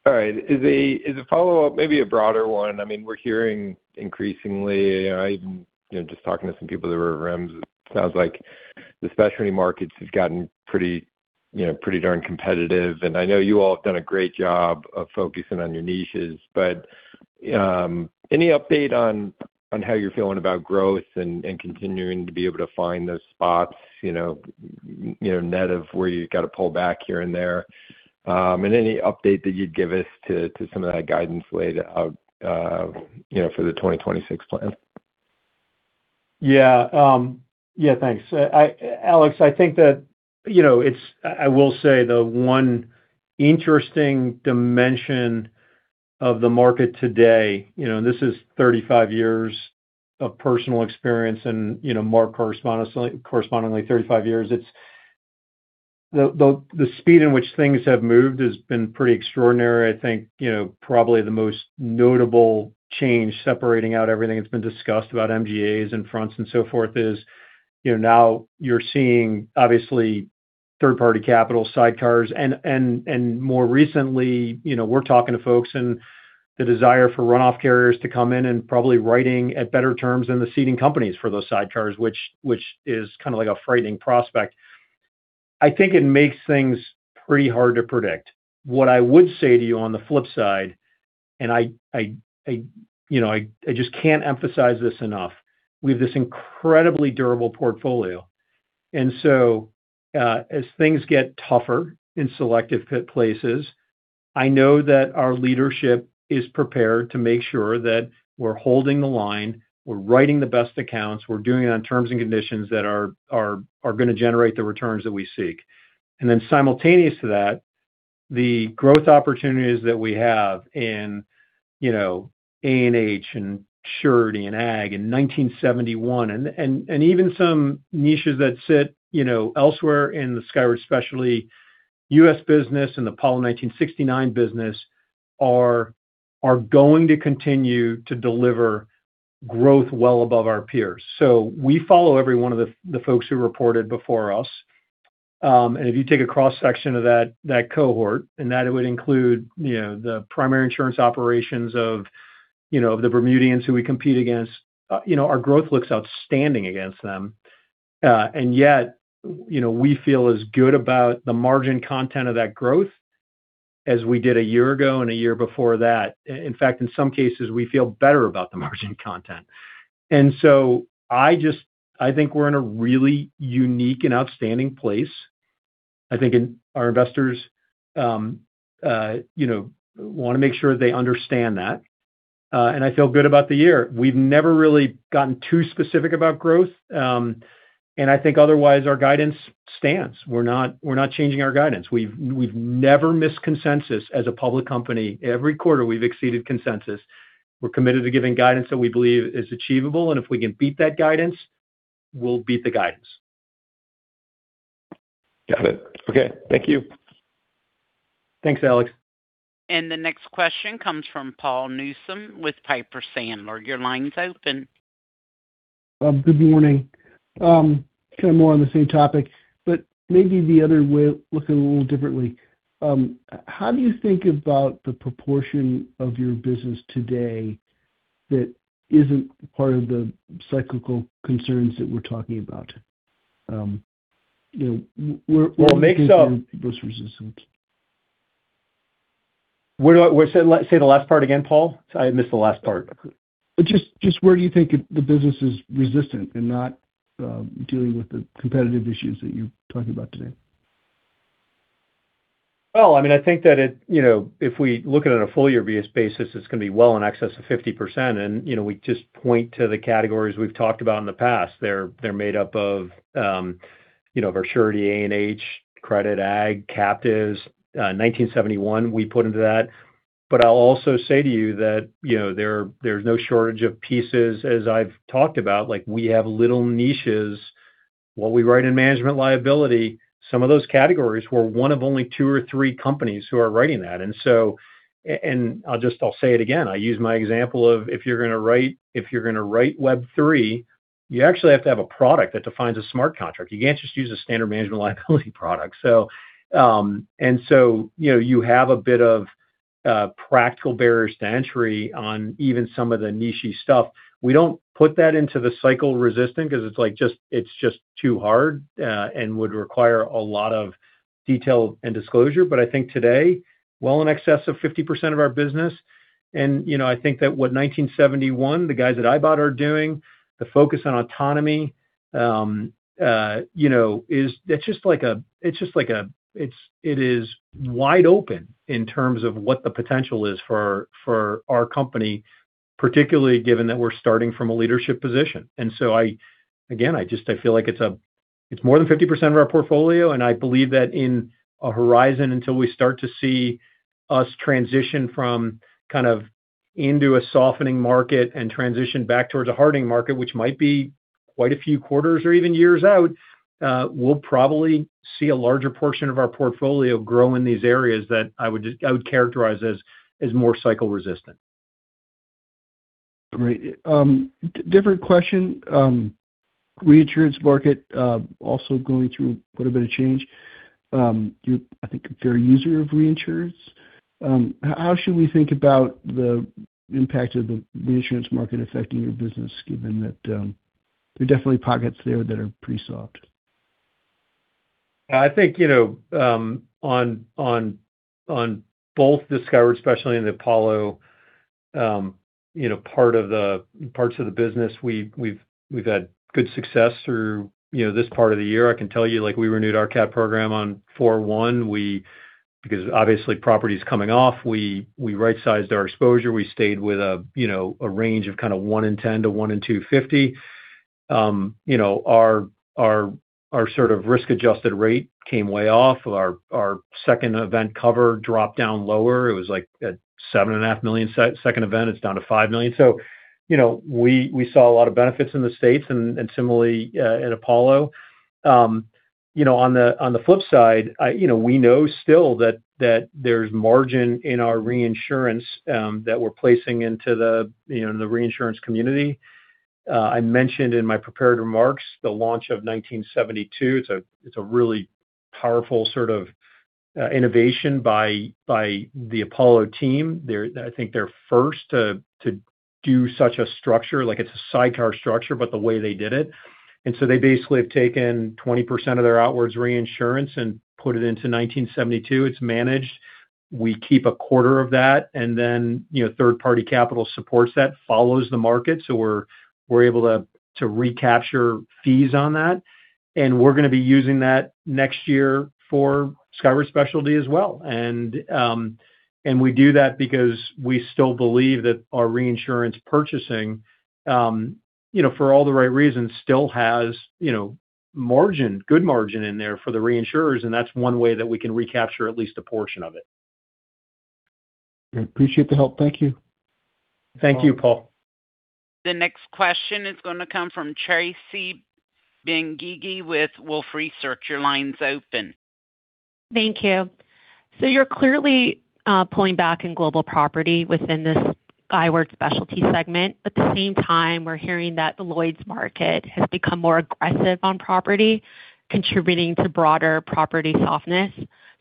right. As a follow-up, maybe a broader one, I mean, we're hearing increasingly, you know, even, you know, just talking to some people in the rooms, it sounds like the specialty markets have gotten pretty, you know, pretty darn competitive. I know you all have done a great job of focusing on your niches, but any update on how you're feeling about growth and continuing to be able to find those spots, you know, you know, net of where you've got to pull back here and there? Any update that you'd give us to some of that guidance laid out, you know, for the 2026 plan? Yeah, thanks. I, Alex, I think that, you know, I will say the one interesting dimension of the market today, you know, and this is 35 years of personal experience and, you know, Mark correspondingly 35 years. It's the speed in which things have moved has been pretty extraordinary. I think, you know, probably the most notable change separating out everything that's been discussed about MGAs and fronts and so forth is, you know, now you're seeing obviously third-party capital sidecars. More recently, you know, we're talking to folks and the desire for runoff carriers to come in and probably writing at better terms than the seeding companies for those sidecars, which is kind of like a frightening prospect. I think it makes things pretty hard to predict. What I would say to you on the flip side, I, you know, I just can't emphasize this enough. We have this incredibly durable portfolio. As things get tougher in selective places, I know that our leadership is prepared to make sure that we're holding the line, we're writing the best accounts, we're doing it on terms and conditions that are gonna generate the returns that we seek. Simultaneous to that, the growth opportunities that we have in, you know, A&H and Surety and Ag in 1971, and even some niches that sit, you know, elsewhere in the Skyward Specialty U.S. business and the Apollo 1969 business are going to continue to deliver growth well above our peers. We follow every one of the folks who reported before us. If you take a cross-section of that cohort, and that it would include, you know, the primary insurance operations of, you know, the Bermudians who we compete against, you know, our growth looks outstanding against them. Yet, you know, we feel as good about the margin content of that growth as we did a year ago and a year before that. In fact, in some cases, we feel better about the margin content. I think we're in a really unique and outstanding place. I think our investors, you know, wanna make sure they understand that. I feel good about the year. We've never really gotten too specific about growth. I think otherwise our guidance stands. We're not changing our guidance. We've never missed consensus as a public company. Every quarter, we've exceeded consensus. We're committed to giving guidance that we believe is achievable, and if we can beat that guidance, we'll beat the guidance. Got it. Okay. Thank you. Thanks, Alex. The next question comes from Paul Newsome with Piper Sandler. Your line's open. Good morning. Kind of more on the same topic, but maybe the other way, looking a little differently. How do you think about the proportion of your business today that isn't part of the cyclical concerns that we're talking about? You know. Well. Do you think your business resistant? Where say the last part again, Paul? I missed the last part. Just where do you think the business is resistant and not dealing with the competitive issues that you talked about today? Well, I mean, I think that it, you know, if we look at it on a full year basis, it's gonna be well in excess of 50%. You know, we just point to the categories we've talked about in the past. They're made up of, you know, our Surety A&H, Credit Ag, Captives, 1971, we put into that. I'll also say to you that, you know, there's no shortage of pieces, as I've talked about, like we have little niches. What we write in management liability, some of those categories were one of only two or three companies who are writing that. I'll just say it again. I use my example of if you're gonna write Web3, you actually have to have a product that defines a smart contract. You can't just use a standard management liability product. You know, you have a bit of practical barriers to entry on even some of the niche-y stuff. We don't put that into the cycle resistant 'cause it's just too hard and would require a lot of detail and disclosure. I think today, well in excess of 50% of our business. You know, I think that what 1971, the guys that ibott are doing, the focus on autonomy, you know, it's just like a, it is wide open in terms of what the potential is for our company, particularly given that we're starting from a leadership position. I, again, I just, I feel like it's more than 50% of our portfolio, and I believe that in a horizon until we start to see us transition from kind of into a softening market and transition back towards a hardening market, which might be quite a few quarters or even years out, we'll probably see a larger portion of our portfolio grow in these areas that I would characterize as more cycle resistant. Great. Different question. Reinsurance market also going through quite a bit of change. You, I think, a fair user of reinsurance. How should we think about the impact of the reinsurance market affecting your business, given that there are definitely pockets there that are pretty soft? I think, you know, on both the Skyward Specialty and the Apollo, you know, parts of the business, we've had good success through, you know, this part of the year. I can tell you, like, we renewed our Cat program on 4/1. Obviously property's coming off. We right-sized our exposure. We stayed with a, you know, a range of kind of 1 in 10 to 1 in 250. You know, our sort of risk-adjusted rate came way off. Our second event cover dropped down lower. It was like at $7.5 million second event. It's down to $5 million. You know, we saw a lot of benefits in the States and similarly at Apollo. You know, on the, on the flip side, you know, we know still that there's margin in our Reinsurance that we're placing into the, you know, the Reinsurance community. I mentioned in my prepared remarks the launch of 1972. It's a really powerful sort of innovation by the Apollo team. I think they're first to do such a structure. Like, it's a sidecar structure, but the way they did it. They basically have taken 20% of their outwards reinsurance and put it into 1972. It's managed. We keep 1/4 of that, you know, third-party capital supports that, follows the market. We're able to recapture fees on that. We're gonna be using that next year for Skyward Specialty as well. We do that because we still believe that our Reinsurance purchasing, you know, for all the right reasons, still has, you know, margin, good margin in there for the reinsurers, and that's one way that we can recapture at least a portion of it. I appreciate the help. Thank you. Thank you, Paul. The next question is gonna come from Tracy Benguigui with Wolfe Research. Your line's open. Thank you. You're clearly pulling back in Global Property within this Skyward Specialty segment. At the same time, we're hearing that the Lloyd's market has become more aggressive on property, contributing to broader property softness.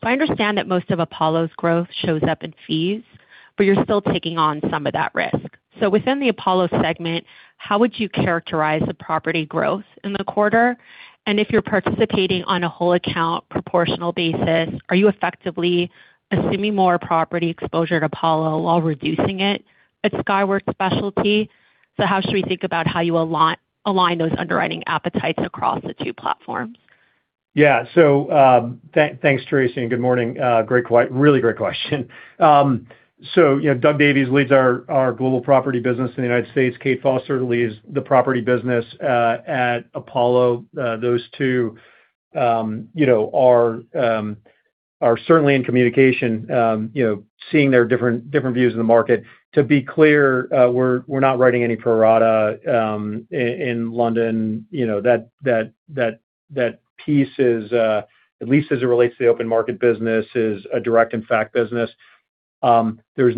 I understand that most of Apollo's growth shows up in fees, but you're still taking on some of that risk. Within the Apollo segment, how would you characterize the property growth in the quarter? If you're participating on a whole account proportional basis, are you effectively assuming more property exposure to Apollo while reducing it at Skyward Specialty? How should we think about how you align those underwriting appetites across the two platforms? Yeah. Thanks, Tracy, and good morning. Really great question. You know, Doug Davies leads our Global Property business in the United States. Kate Foster leads the property business at Apollo. Those two, you know, are certainly in communication, you know, seeing their different views of the market. To be clear, we're not writing any pro rata in London. You know, that piece is, at least as it relates to the open market business, is a direct impact business. There's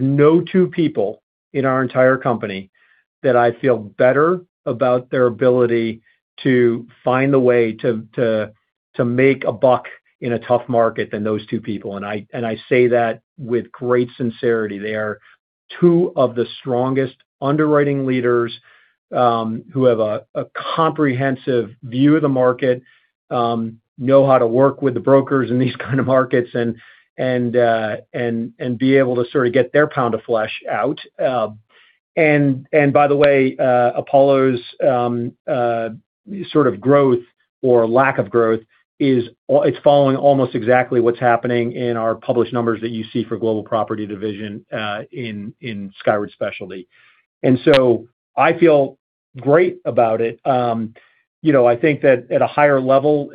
no two people in our entire company that I feel better about their ability to find a way to make a buck in a tough market than those two people, and I say that with great sincerity. They are two of the strongest underwriting leaders, who have a comprehensive view of the market, know how to work with the brokers in these kind of markets and be able to sort of get their pound of flesh out. By the way, Apollo's sort of growth or lack of growth it's following almost exactly what's happening in our published numbers that you see for Global Property Division in Skyward Specialty. I feel great about it. You know, I think that at a higher level,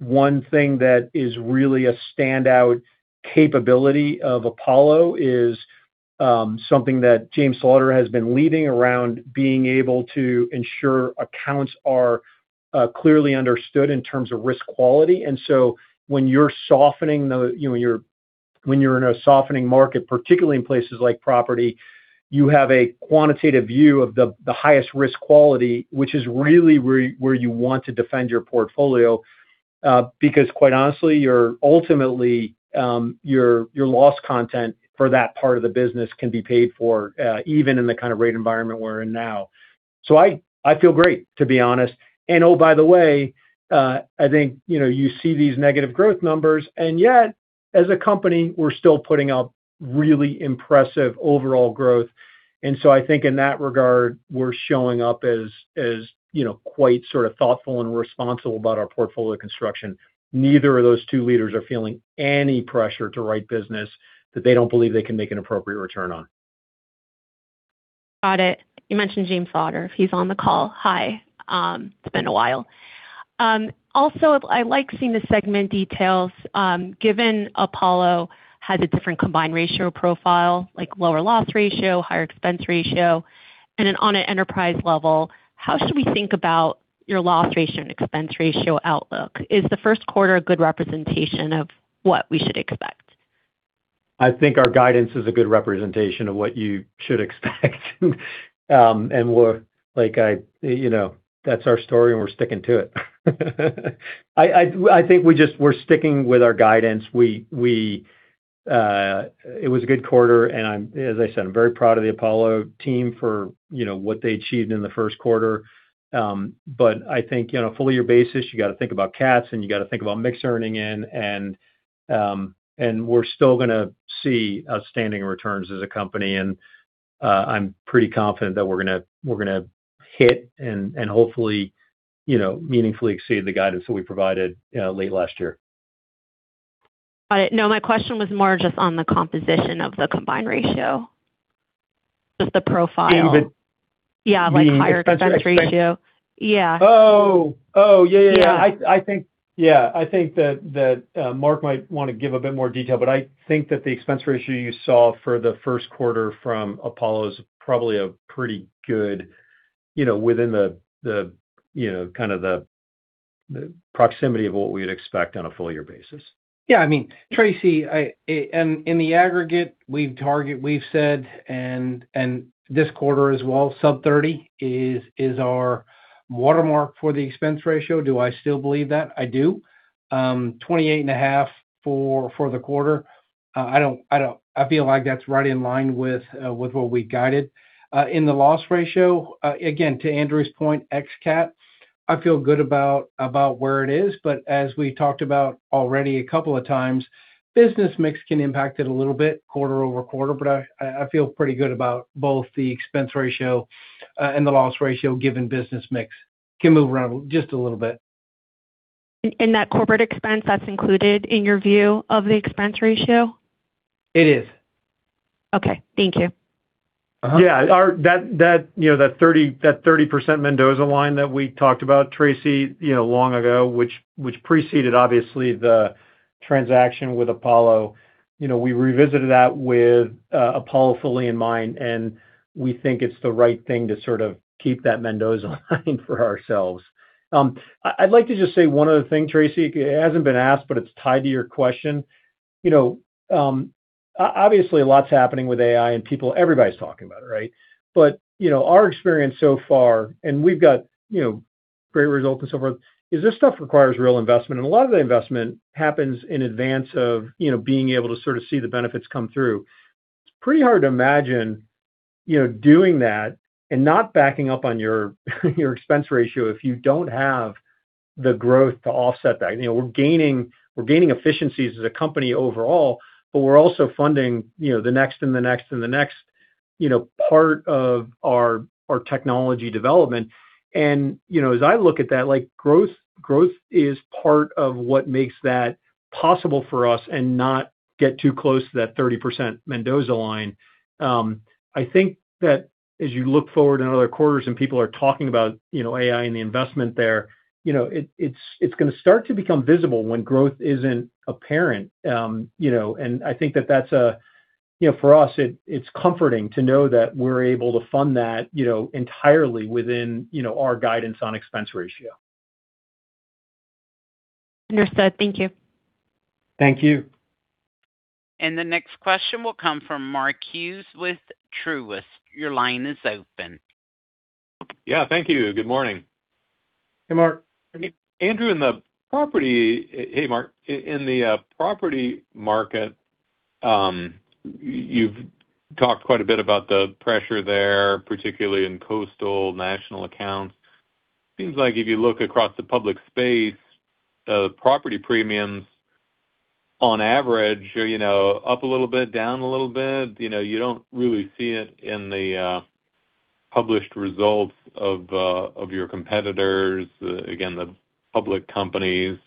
one thing that is really a standout capability of Apollo is something that James Slaughter has been leading around being able to ensure accounts are clearly understood in terms of risk quality. When you're softening the You know, when you're in a softening market, particularly in places like property, you have a quantitative view of the highest risk quality, which is really where you want to defend your portfolio, because quite honestly, your ultimately, your loss content for that part of the business can be paid for, even in the kind of rate environment we're in now. I feel great, to be honest. Oh, by the way, I think, you know, you see these negative growth numbers, and yet, as a company, we're still putting up really impressive overall growth. I think in that regard, we're showing up as, you know, quite sort of thoughtful and responsible about our portfolio construction. Neither of those two leaders are feeling any pressure to write business that they don't believe they can make an appropriate return on. Got it. You mentioned James Slaughter. If he's on the call, hi. It's been a while. Also, I like seeing the segment details. Given Apollo has a different combined ratio profile, like lower loss ratio, higher expense ratio. On an enterprise level, how should we think about your loss ratio and expense ratio outlook? Is the first quarter a good representation of what we should expect? I think our guidance is a good representation of what you should expect. You know, that's our story, and we're sticking to it. I think we're sticking with our guidance. It was a good quarter, and I'm, as I said, I'm very proud of the Apollo team for, you know, what they achieved in the first quarter. I think on a full-year basis, you gotta think about Cats, and you gotta think about mix earning in, and we're still gonna see outstanding returns as a company. I'm pretty confident that we're gonna hit and hopefully, you know, meaningfully exceed the guidance that we provided late last year. Got it. No, my question was more just on the composition of the combined ratio. Just the profile. In the- Yeah, like higher expense ratio. Yeah. Oh. Oh, yeah, yeah. Yeah. I think, Yeah, I think that Mark might want to give a bit more detail, but I think that the expense ratio you saw for the first quarter from Apollo is probably a pretty good, you know, within the, you know, kind of the proximity of what we'd expect on a full year basis. Yeah, I mean, Tracy, I, in the aggregate, we target, we've said, and this quarter as well, sub 30 is our watermark for the expense ratio. Do I still believe that? I do. 28.5 for the quarter, I feel like that's right in line with what we guided. In the loss ratio, again, to Andrew's point, Ex-Cat, I feel good about where it is. As we talked about already a couple of times, business mix can impact it a little bit quarter-over-quarter, but I feel pretty good about both the expense ratio and the loss ratio given business mix. Can move around just a little bit. That corporate expense, that's included in your view of the expense ratio? It is. Okay. Thank you. Yeah. That, you know, that 30% Mendoza Line that we talked about, Tracy, you know, long ago, which preceded obviously the transaction with Apollo, you know, we revisited that with Apollo fully in mind, and we think it's the right thing to sort of keep that Mendoza Line for ourselves. I'd like to just say one other thing, Tracy. It hasn't been asked, but it's tied to your question. You know, obviously, a lot's happening with AI and Everybody's talking about it, right? You know, our experience so far, and we've got, you know, great results and so forth, is this stuff requires real investment. A lot of the investment happens in advance of, you know, being able to sort of see the benefits come through. It's pretty hard to imagine, you know, doing that and not backing up on your expense ratio if you don't have the growth to offset that. We're gaining efficiencies as a company overall, but we're also funding, you know, the next and the next and the next, you know, part of our technology development. You know, as I look at that, like growth is part of what makes that possible for us and not get too close to that 30% Mendoza Line. I think that as you look forward in other quarters and people are talking about, you know, AI and the investment there, you know, it's going to start to become visible when growth isn't apparent. You know, I think that that's, you know, for us, it's comforting to know that we're able to fund that, you know, entirely within, you know, our guidance on expense ratio. Understood. Thank you. Thank you. The next question will come from Mark Hughes with Truist. Your line is open. Yeah. Thank you. Good morning. Hey, Mark. Andrew, Hey, Mark. In the property market, you've talked quite a bit about the pressure there, particularly in coastal national accounts. Seems like if you look across the public space, property premiums on average are, you know, up a little bit, down a little bit. You don't really see it in the published results of your competitors, again, the public companies.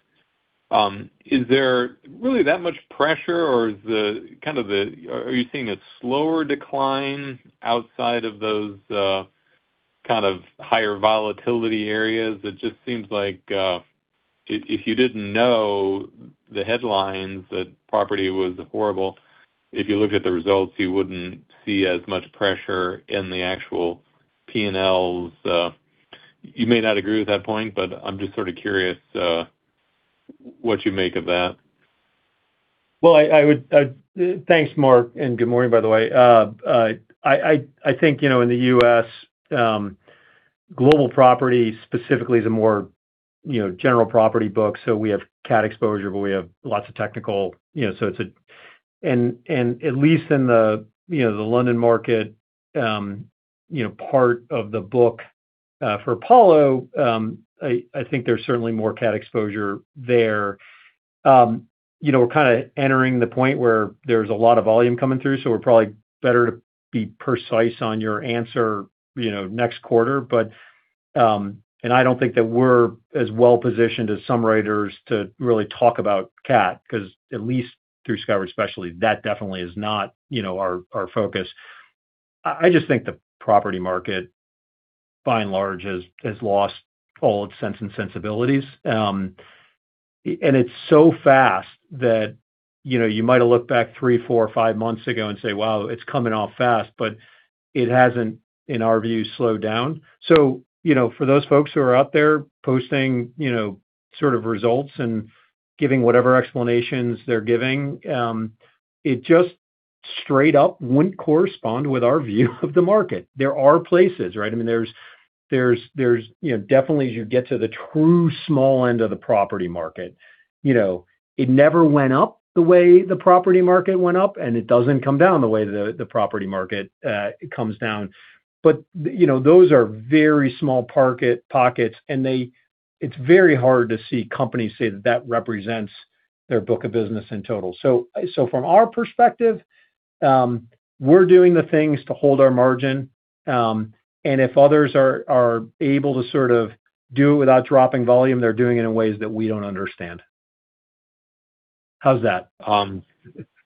Is there really that much pressure or are you seeing a slower decline outside of those kind of higher volatility areas? It just seems like if you didn't know the headlines that property was horrible, if you looked at the results, you wouldn't see as much pressure in the actual P&Ls. You may not agree with that point, I'm just sort of curious, what you make of that? Well, I would Thanks, Mark, and good morning, by the way. I think, you know, in the U.S., Global Property specifically is a more, you know, general property book, so we have Cat exposure, but we have lots of technical, you know, so it's a. At least in the, you know, the London market, you know, part of the book for Apollo, I think there's certainly more Cat exposure there. You know, we're kind of entering the point where there's a lot of volume coming through, so we're probably better to be precise on your answer, you know, next quarter. I don't think that we're as well-positioned as some writers to really talk about Cat 'cause at least through Skyward Specialty, that definitely is not, you know, our focus. I just think the property market by and large has lost all its sense and sensibilities. It's so fast that, you know, you might have looked back three, four, five months ago and say, Wow, it's coming off fast It hasn't, in our view, slowed down. You know, for those folks who are out there posting, you know, sort of results and giving whatever explanations they're giving, it just straight up wouldn't correspond with our view of the market. There are places, right? I mean, there's, you know, definitely as you get to the true small end of the property market, you know, it never went up the way the property market went up, and it doesn't come down the way the property market comes down. You know, those are very small pockets. It's very hard to see companies say that that represents their book of business in total. From our perspective, we're doing the things to hold our margin, and if others are able to sort of do without dropping volume, they're doing it in ways that we don't understand. How's that?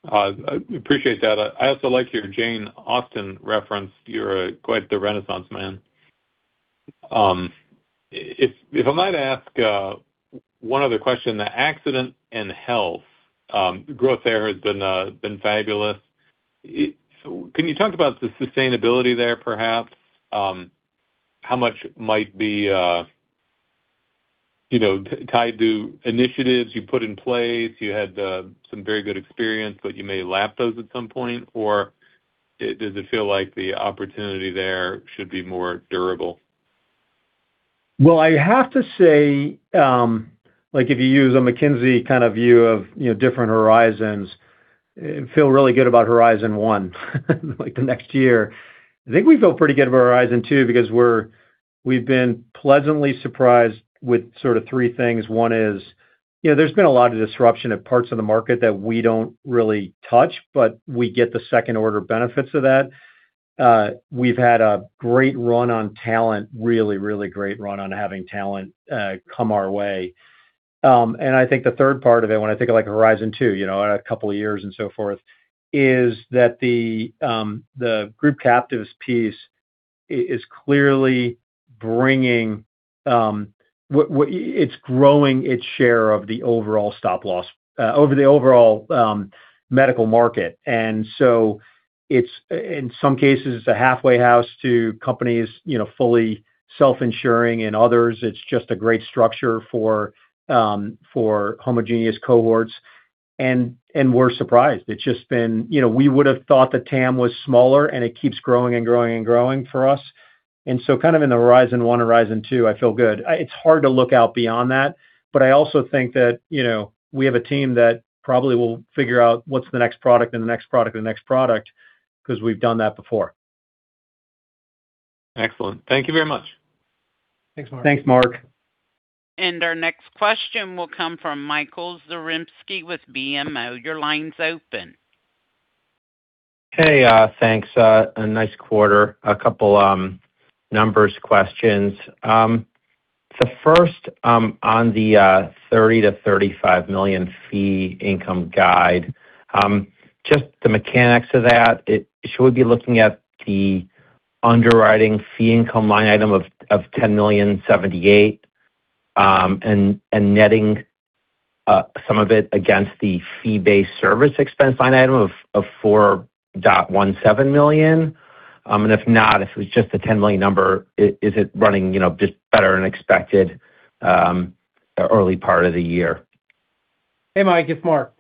Appreciate that. I also like your Jane Austen reference. You're quite the renaissance man. If, if I might ask one other question, the accident and health growth there has been fabulous. Can you talk about the sustainability there perhaps? How much might be, you know, tied to initiatives you put in place, you had some very good experience, but you may lap those at some point? Or does it feel like the opportunity there should be more durable? Well, I have to say, like, if you use a McKinsey kind of view of, you know, different horizons, feel really good about Horizon 1, like the next year. I think we feel pretty good about Horizon 2 because we've been pleasantly surprised with sort of three things. One is, you know, there's been a lot of disruption of parts of the market that we don't really touch, but we get the second order benefits of that. We've had a great run on talent, really great run on having talent come our way. I think the third part of it when I think of Horizon 2, you know, a couple of years and so forth, is that the group captives piece is clearly bringing, it's growing its share of the overall stop loss over the overall medical market. It's, in some cases, it's a halfway house to companies, you know, fully self-insuring. In others, it's just a great structure for homogeneous cohorts. We're surprised. It's just been, you know, we would have thought the TAM was smaller. It keeps growing and growing and growing for us. Kind of in the Horizon 1, Horizon 2, I feel good. It's hard to look out beyond that. I also think that, you know, we have a team that probably will figure out what's the next product and the next product and the next product 'cause we've done that before. Excellent. Thank you very much. Thanks, Mark. Thanks, Mark. Our next question will come from Michael Zaremski with BMO. Your line's open. Hey, thanks. A nice quarter. A couple numbers questions. First, on the $30 million-$35 million fee income guide, just the mechanics of that. Should we be looking at the underwriting fee income line item of $10.078 million and netting some of it against the fee-based service expense line item of $4.17 million? If not, if it was just the $10 million number, is it running, you know, just better than expected early part of the year? Hey, Mike. It's Mark.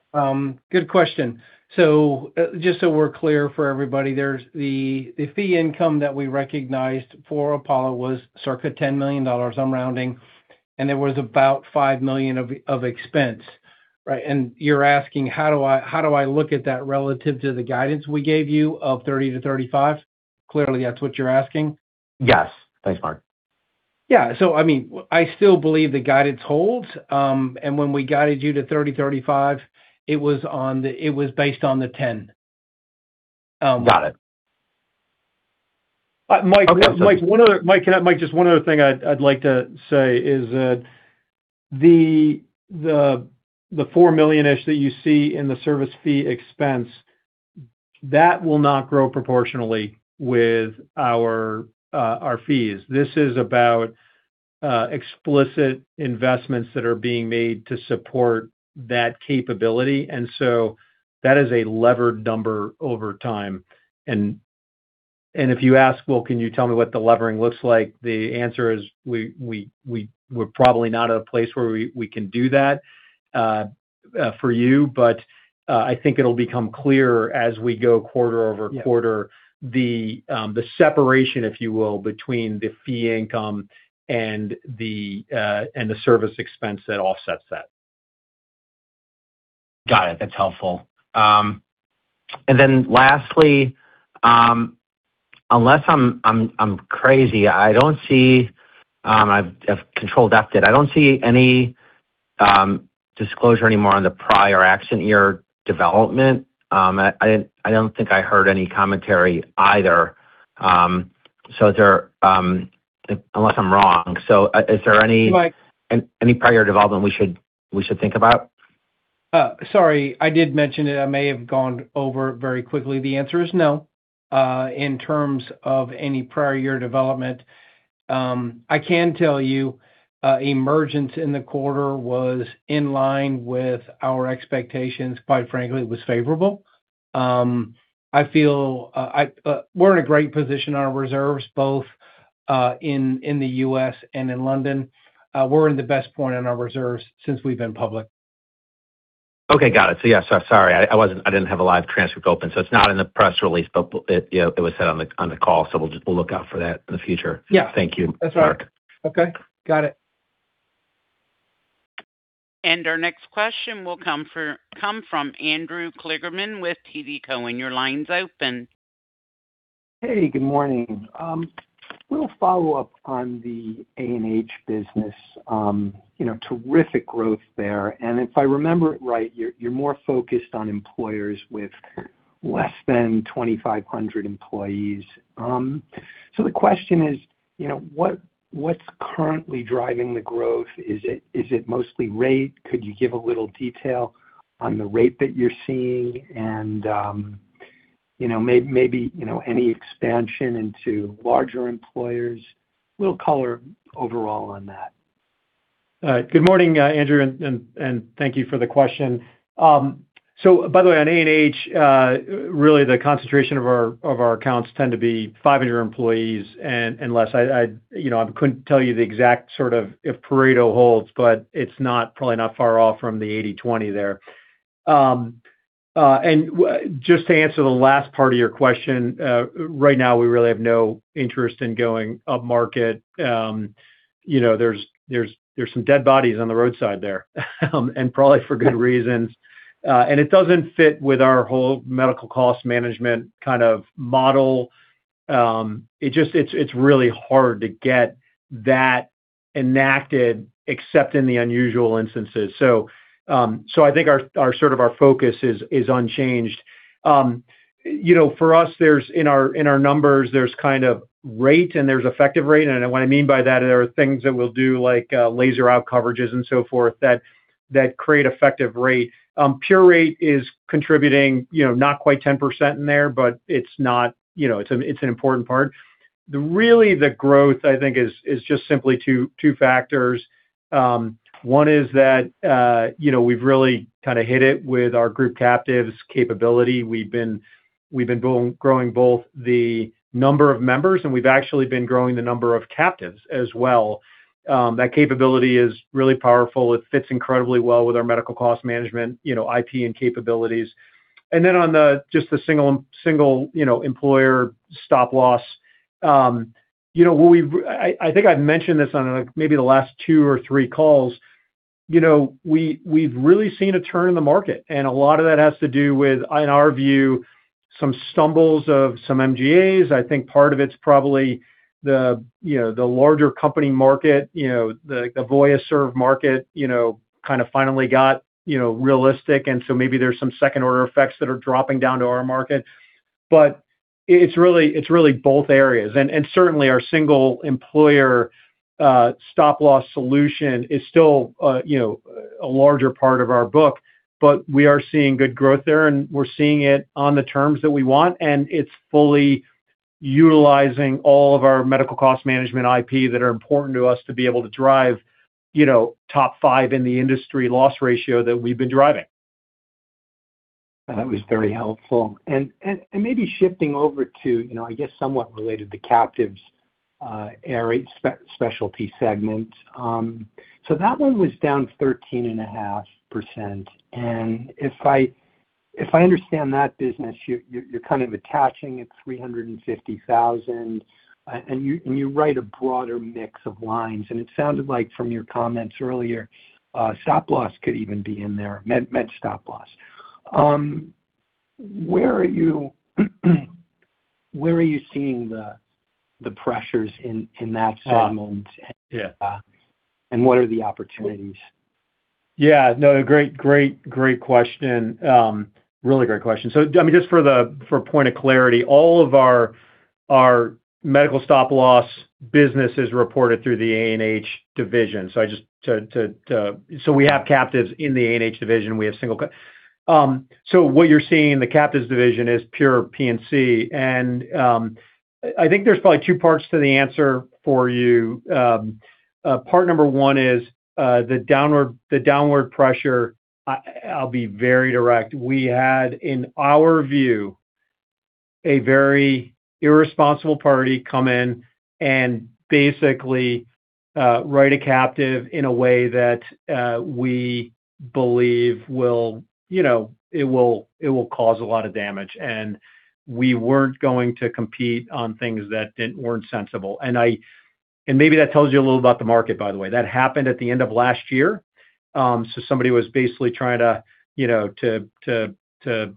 Good question. Just so we're clear for everybody, there's the fee income that we recognized for Apollo was circa $10 million, I'm rounding. There was about $5 million of expense, right? You're asking how do I look at that relative to the guidance we gave you of 30-35? Clearly, that's what you're asking. Yes. Thanks, Mark. Yeah. I mean, I still believe the guidance holds. When we guided you to $30 million-$35 million, it was based on the $10 million. Got it. Mike- Okay. Mike, just one other thing I'd like to say is that the $4 million-ish that you see in the service fee expense, that will not grow proportionally with our fees. This is about explicit investments that are being made to support that capability. That is a levered number over time. If you ask, well, can you tell me what the levering looks like? The answer is we're probably not at a place where we can do that for you. I think it'll become clearer as we go quarter-over-quarter. Yeah the separation, if you will, between the fee income and the service expense that offsets that. Got it. That's helpful. Lastly, unless I'm crazy, I don't see, I've controlled F did. I don't see any disclosure anymore on the prior accident year development. I don't think I heard any commentary either. Is there, unless I'm wrong. Is there any? Mike any prior development we should think about? Sorry. I did mention it. I may have gone over very quickly. The answer is no, in terms of any prior year development. I can tell you, emergence in the quarter was in line with our expectations. Quite frankly, it was favorable. I feel we're in a great position on our reserves, both in the U.S. and in London. We're in the best point in our reserves since we've been public. Okay. Got it. Yeah, so sorry. I didn't have a live transcript open. It's not in the press release, but it, you know, it was said on the, on the call, so we'll just, we'll look out for that in the future. Yeah. Thank you, Mark. That's all right. Okay. Got it. Our next question will come from Andrew Kligerman with TD Cowen. Your line's open. Hey, good morning. We'll follow-up on the A&H business. You know, terrific growth there. If I remember it right, you're more focused on employers with less than 2,500 employees. The question is, you know, what's currently driving the growth? Is it mostly rate? Could you give a little detail on the rate that you're seeing and, you know, maybe, you know, any expansion into larger employers? A little color overall on that. Good morning, Andrew, and thank you for the question. By the way, on A&H, really the concentration of our accounts tend to be 500 employees and less. I, you know, I couldn't tell you the exact sort of if Pareto holds, but it's not probably not far off from the 80/20 there. Just to answer the last part of your question, right now we really have no interest in going up market. You know, there's some dead bodies on the roadside there, probably for good reasons. It doesn't fit with our whole medical cost management kind of model. It's really hard to get that enacted except in the unusual instances. I think our sort of our focus is unchanged. You know, for us, there's in our numbers, there's kind of rate and there's effective rate. What I mean by that are things that we'll do like laser out coverages and so forth that create effective rate. Pure rate is contributing, you know, not quite 10% in there, but it's not, you know, it's an important part. The really the growth I think is just simply two factors. One is that, you know, we've really kind of hit it with our group captives capability. We've been growing both the number of members, and we've actually been growing the number of captives as well. That capability is really powerful. It fits incredibly well with our medical cost management, you know, IP and capabilities. Then on the, just the single, you know, employer stop loss, you know, I think I've mentioned this on, like maybe the last two or three calls. You know, we've really seen a turn in the market, a lot of that has to do with, in our view, some stumbles of some MGAs. I think part of it's probably the, you know, the larger company market, you know, the voya serve market, you know, kind of finally got, you know, realistic, maybe there's some second order effects that are dropping down to our market. It's really both areas. Certainly our single employer, stop loss solution is still, you know, a larger part of our book, but we are seeing good growth there, and we're seeing it on the terms that we want, and it's fully utilizing all of our medical cost management IP that are important to us to be able to drive, you know, top five in the industry loss ratio that we've been driving. That was very helpful. Maybe shifting over to, you know, I guess somewhat related to Captives, area, Specialty segment. That one was down 13.5%. If I understand that business, you're kind of attaching at $350,000, and you write a broader mix of lines. It sounded like from your comments earlier, stop loss could even be in there, med stop loss. Where are you seeing the pressures in that segment? Yeah. What are the opportunities? Yeah, no, great question. really great question. I mean, just for point of clarity, all of our medical stop loss business is reported through the A&H division. We have captives in the A&H division. What you're seeing in the captives division is pure P&C. I think there's probably two parts to the answer for you. Part number one is the downward pressure, I'll be very direct. We had, in our view, a very irresponsible party come in and basically write a captive in a way that we believe will, you know, it will cause a lot of damage. We weren't going to compete on things that weren't sensible. Maybe that tells you a little about the market, by the way. That happened at the end of last year. Somebody was basically trying to, you know, to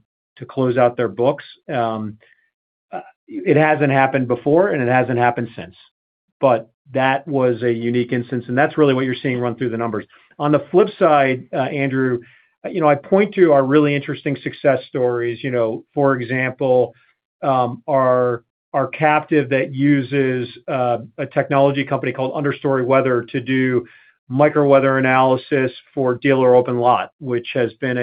close out their books. It hasn't happened before, it hasn't happened since, that was a unique instance, that's really what you're seeing run through the numbers. On the flip side, Andrew, you know, I point to our really interesting success stories. You know, for example, our captive that uses a technology company called Understory to do micro weather analysis for dealer open lot, which has been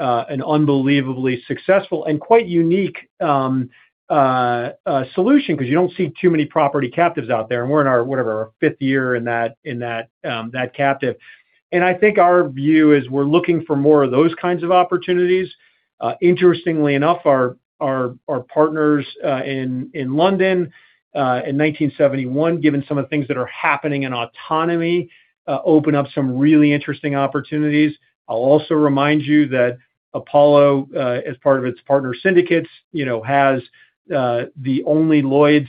an unbelievably successful and quite unique solution because you don't see too many property captives out there. We're in our, whatever, our fifth year in that captive. I think our view is we're looking for more of those kinds of opportunities. Interestingly enough, our, our partners in London, in 1971, given some of the things that are happening in autonomy, open up some really interesting opportunities. I'll also remind you that Apollo, as part of its partner syndicates, you know, has the only Lloyd's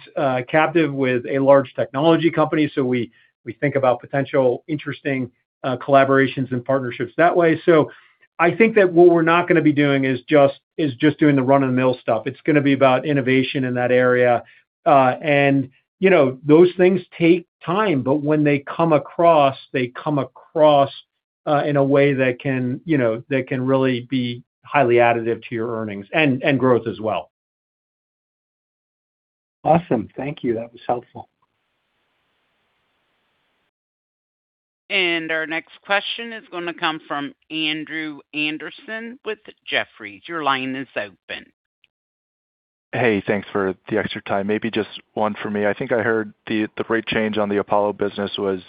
captive with a large technology company. We, we think about potential interesting collaborations and partnerships that way. I think that what we're not gonna be doing is just doing the run-of-the-mill stuff. It's gonna be about innovation in that area. You know, those things take time, but when they come across, they come across in a way that can, you know, that can really be highly additive to your earnings and growth as well. Awesome. Thank you. That was helpful. Our next question is going to come from Andrew Anderson with Jefferies. Your line is open. Hey, thanks for the extra time. Maybe just one for me. I think I heard the rate change on the Apollo business was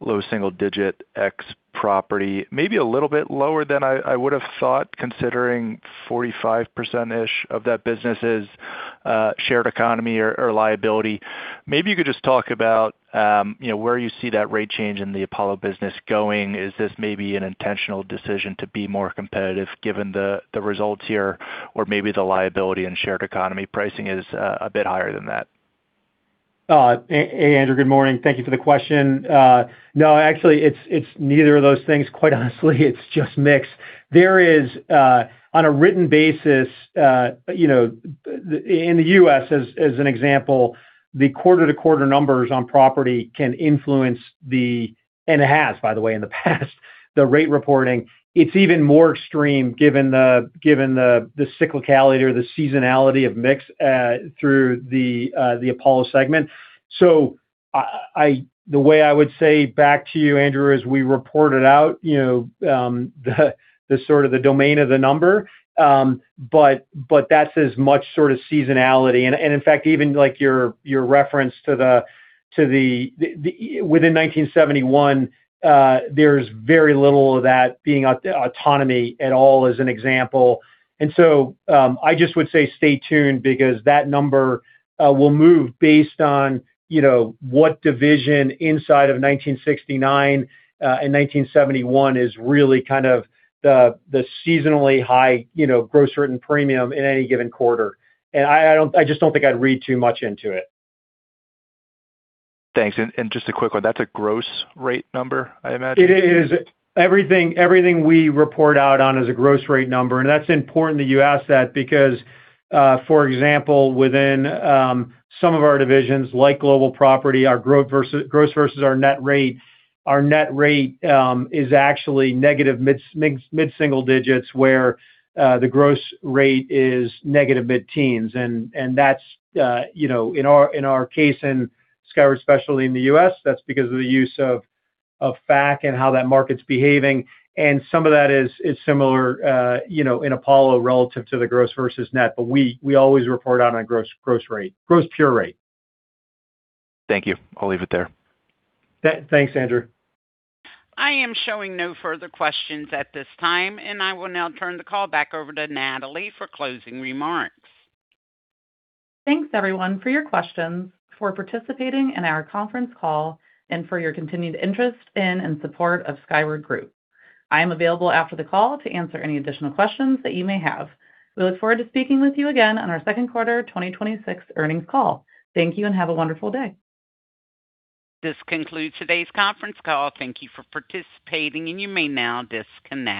low single digit ex property. Maybe a little bit lower than I would have thought, considering 45%-ish of that business is shared economy or liability. Maybe you could just talk about, you know, where you see that rate change in the Apollo business going. Is this maybe an intentional decision to be more competitive given the results here, or maybe the liability and shared economy pricing is a bit higher than that? Andrew, good morning. Thank you for the question. No, actually it's neither of those things. Quite honestly, it's just mix. There is on a written basis, you know, in the U.S. as an example, the quarter-to-quarter numbers on property can influence the and it has, by the way, in the past, the rate reporting. It's even more extreme given the cyclicality or the seasonality of mix through the Apollo segment. The way I would say back to you, Andrew, as we report it out, you know, the sort of the domain of the number, but that's as much sort of seasonality. In fact, even like your reference to the within 1971, there's very little of that being autonomy at all as an example. I just would say stay tuned because that number will move based on what division inside of 1969 and 1971 is really kind of the seasonally high gross written premium in any given quarter. I just don't think I'd read too much into it. Thanks. Just a quick one. That's a gross rate number, I imagine? It is. Everything we report out on is a gross rate number, that's important that you ask that because, for example, within some of our divisions, like Global Property, our gross versus our net rate, our net rate, is actually negative mid-single-digits, where the gross rate is negative mid-teens. That's, you know, in our case in Skyward, especially in the U.S., that's because of the use of FAC and how that market's behaving. Some of that is similar, you know, in Apollo relative to the gross versus net. We always report on a gross rate, gross pure rate. Thank you. I'll leave it there. Thanks, Andrew. I am showing no further questions at this time. I will now turn the call back over to Natalie for closing remarks. Thanks, everyone, for your questions, for participating in our conference call and for your continued interest in and support of Skyward Group. I am available after the call to answer any additional questions that you may have. We look forward to speaking with you again on our second quarter 2026 earnings call. Thank you, and have a wonderful day. This concludes today's conference call. Thank you for participating, and you may now disconnect.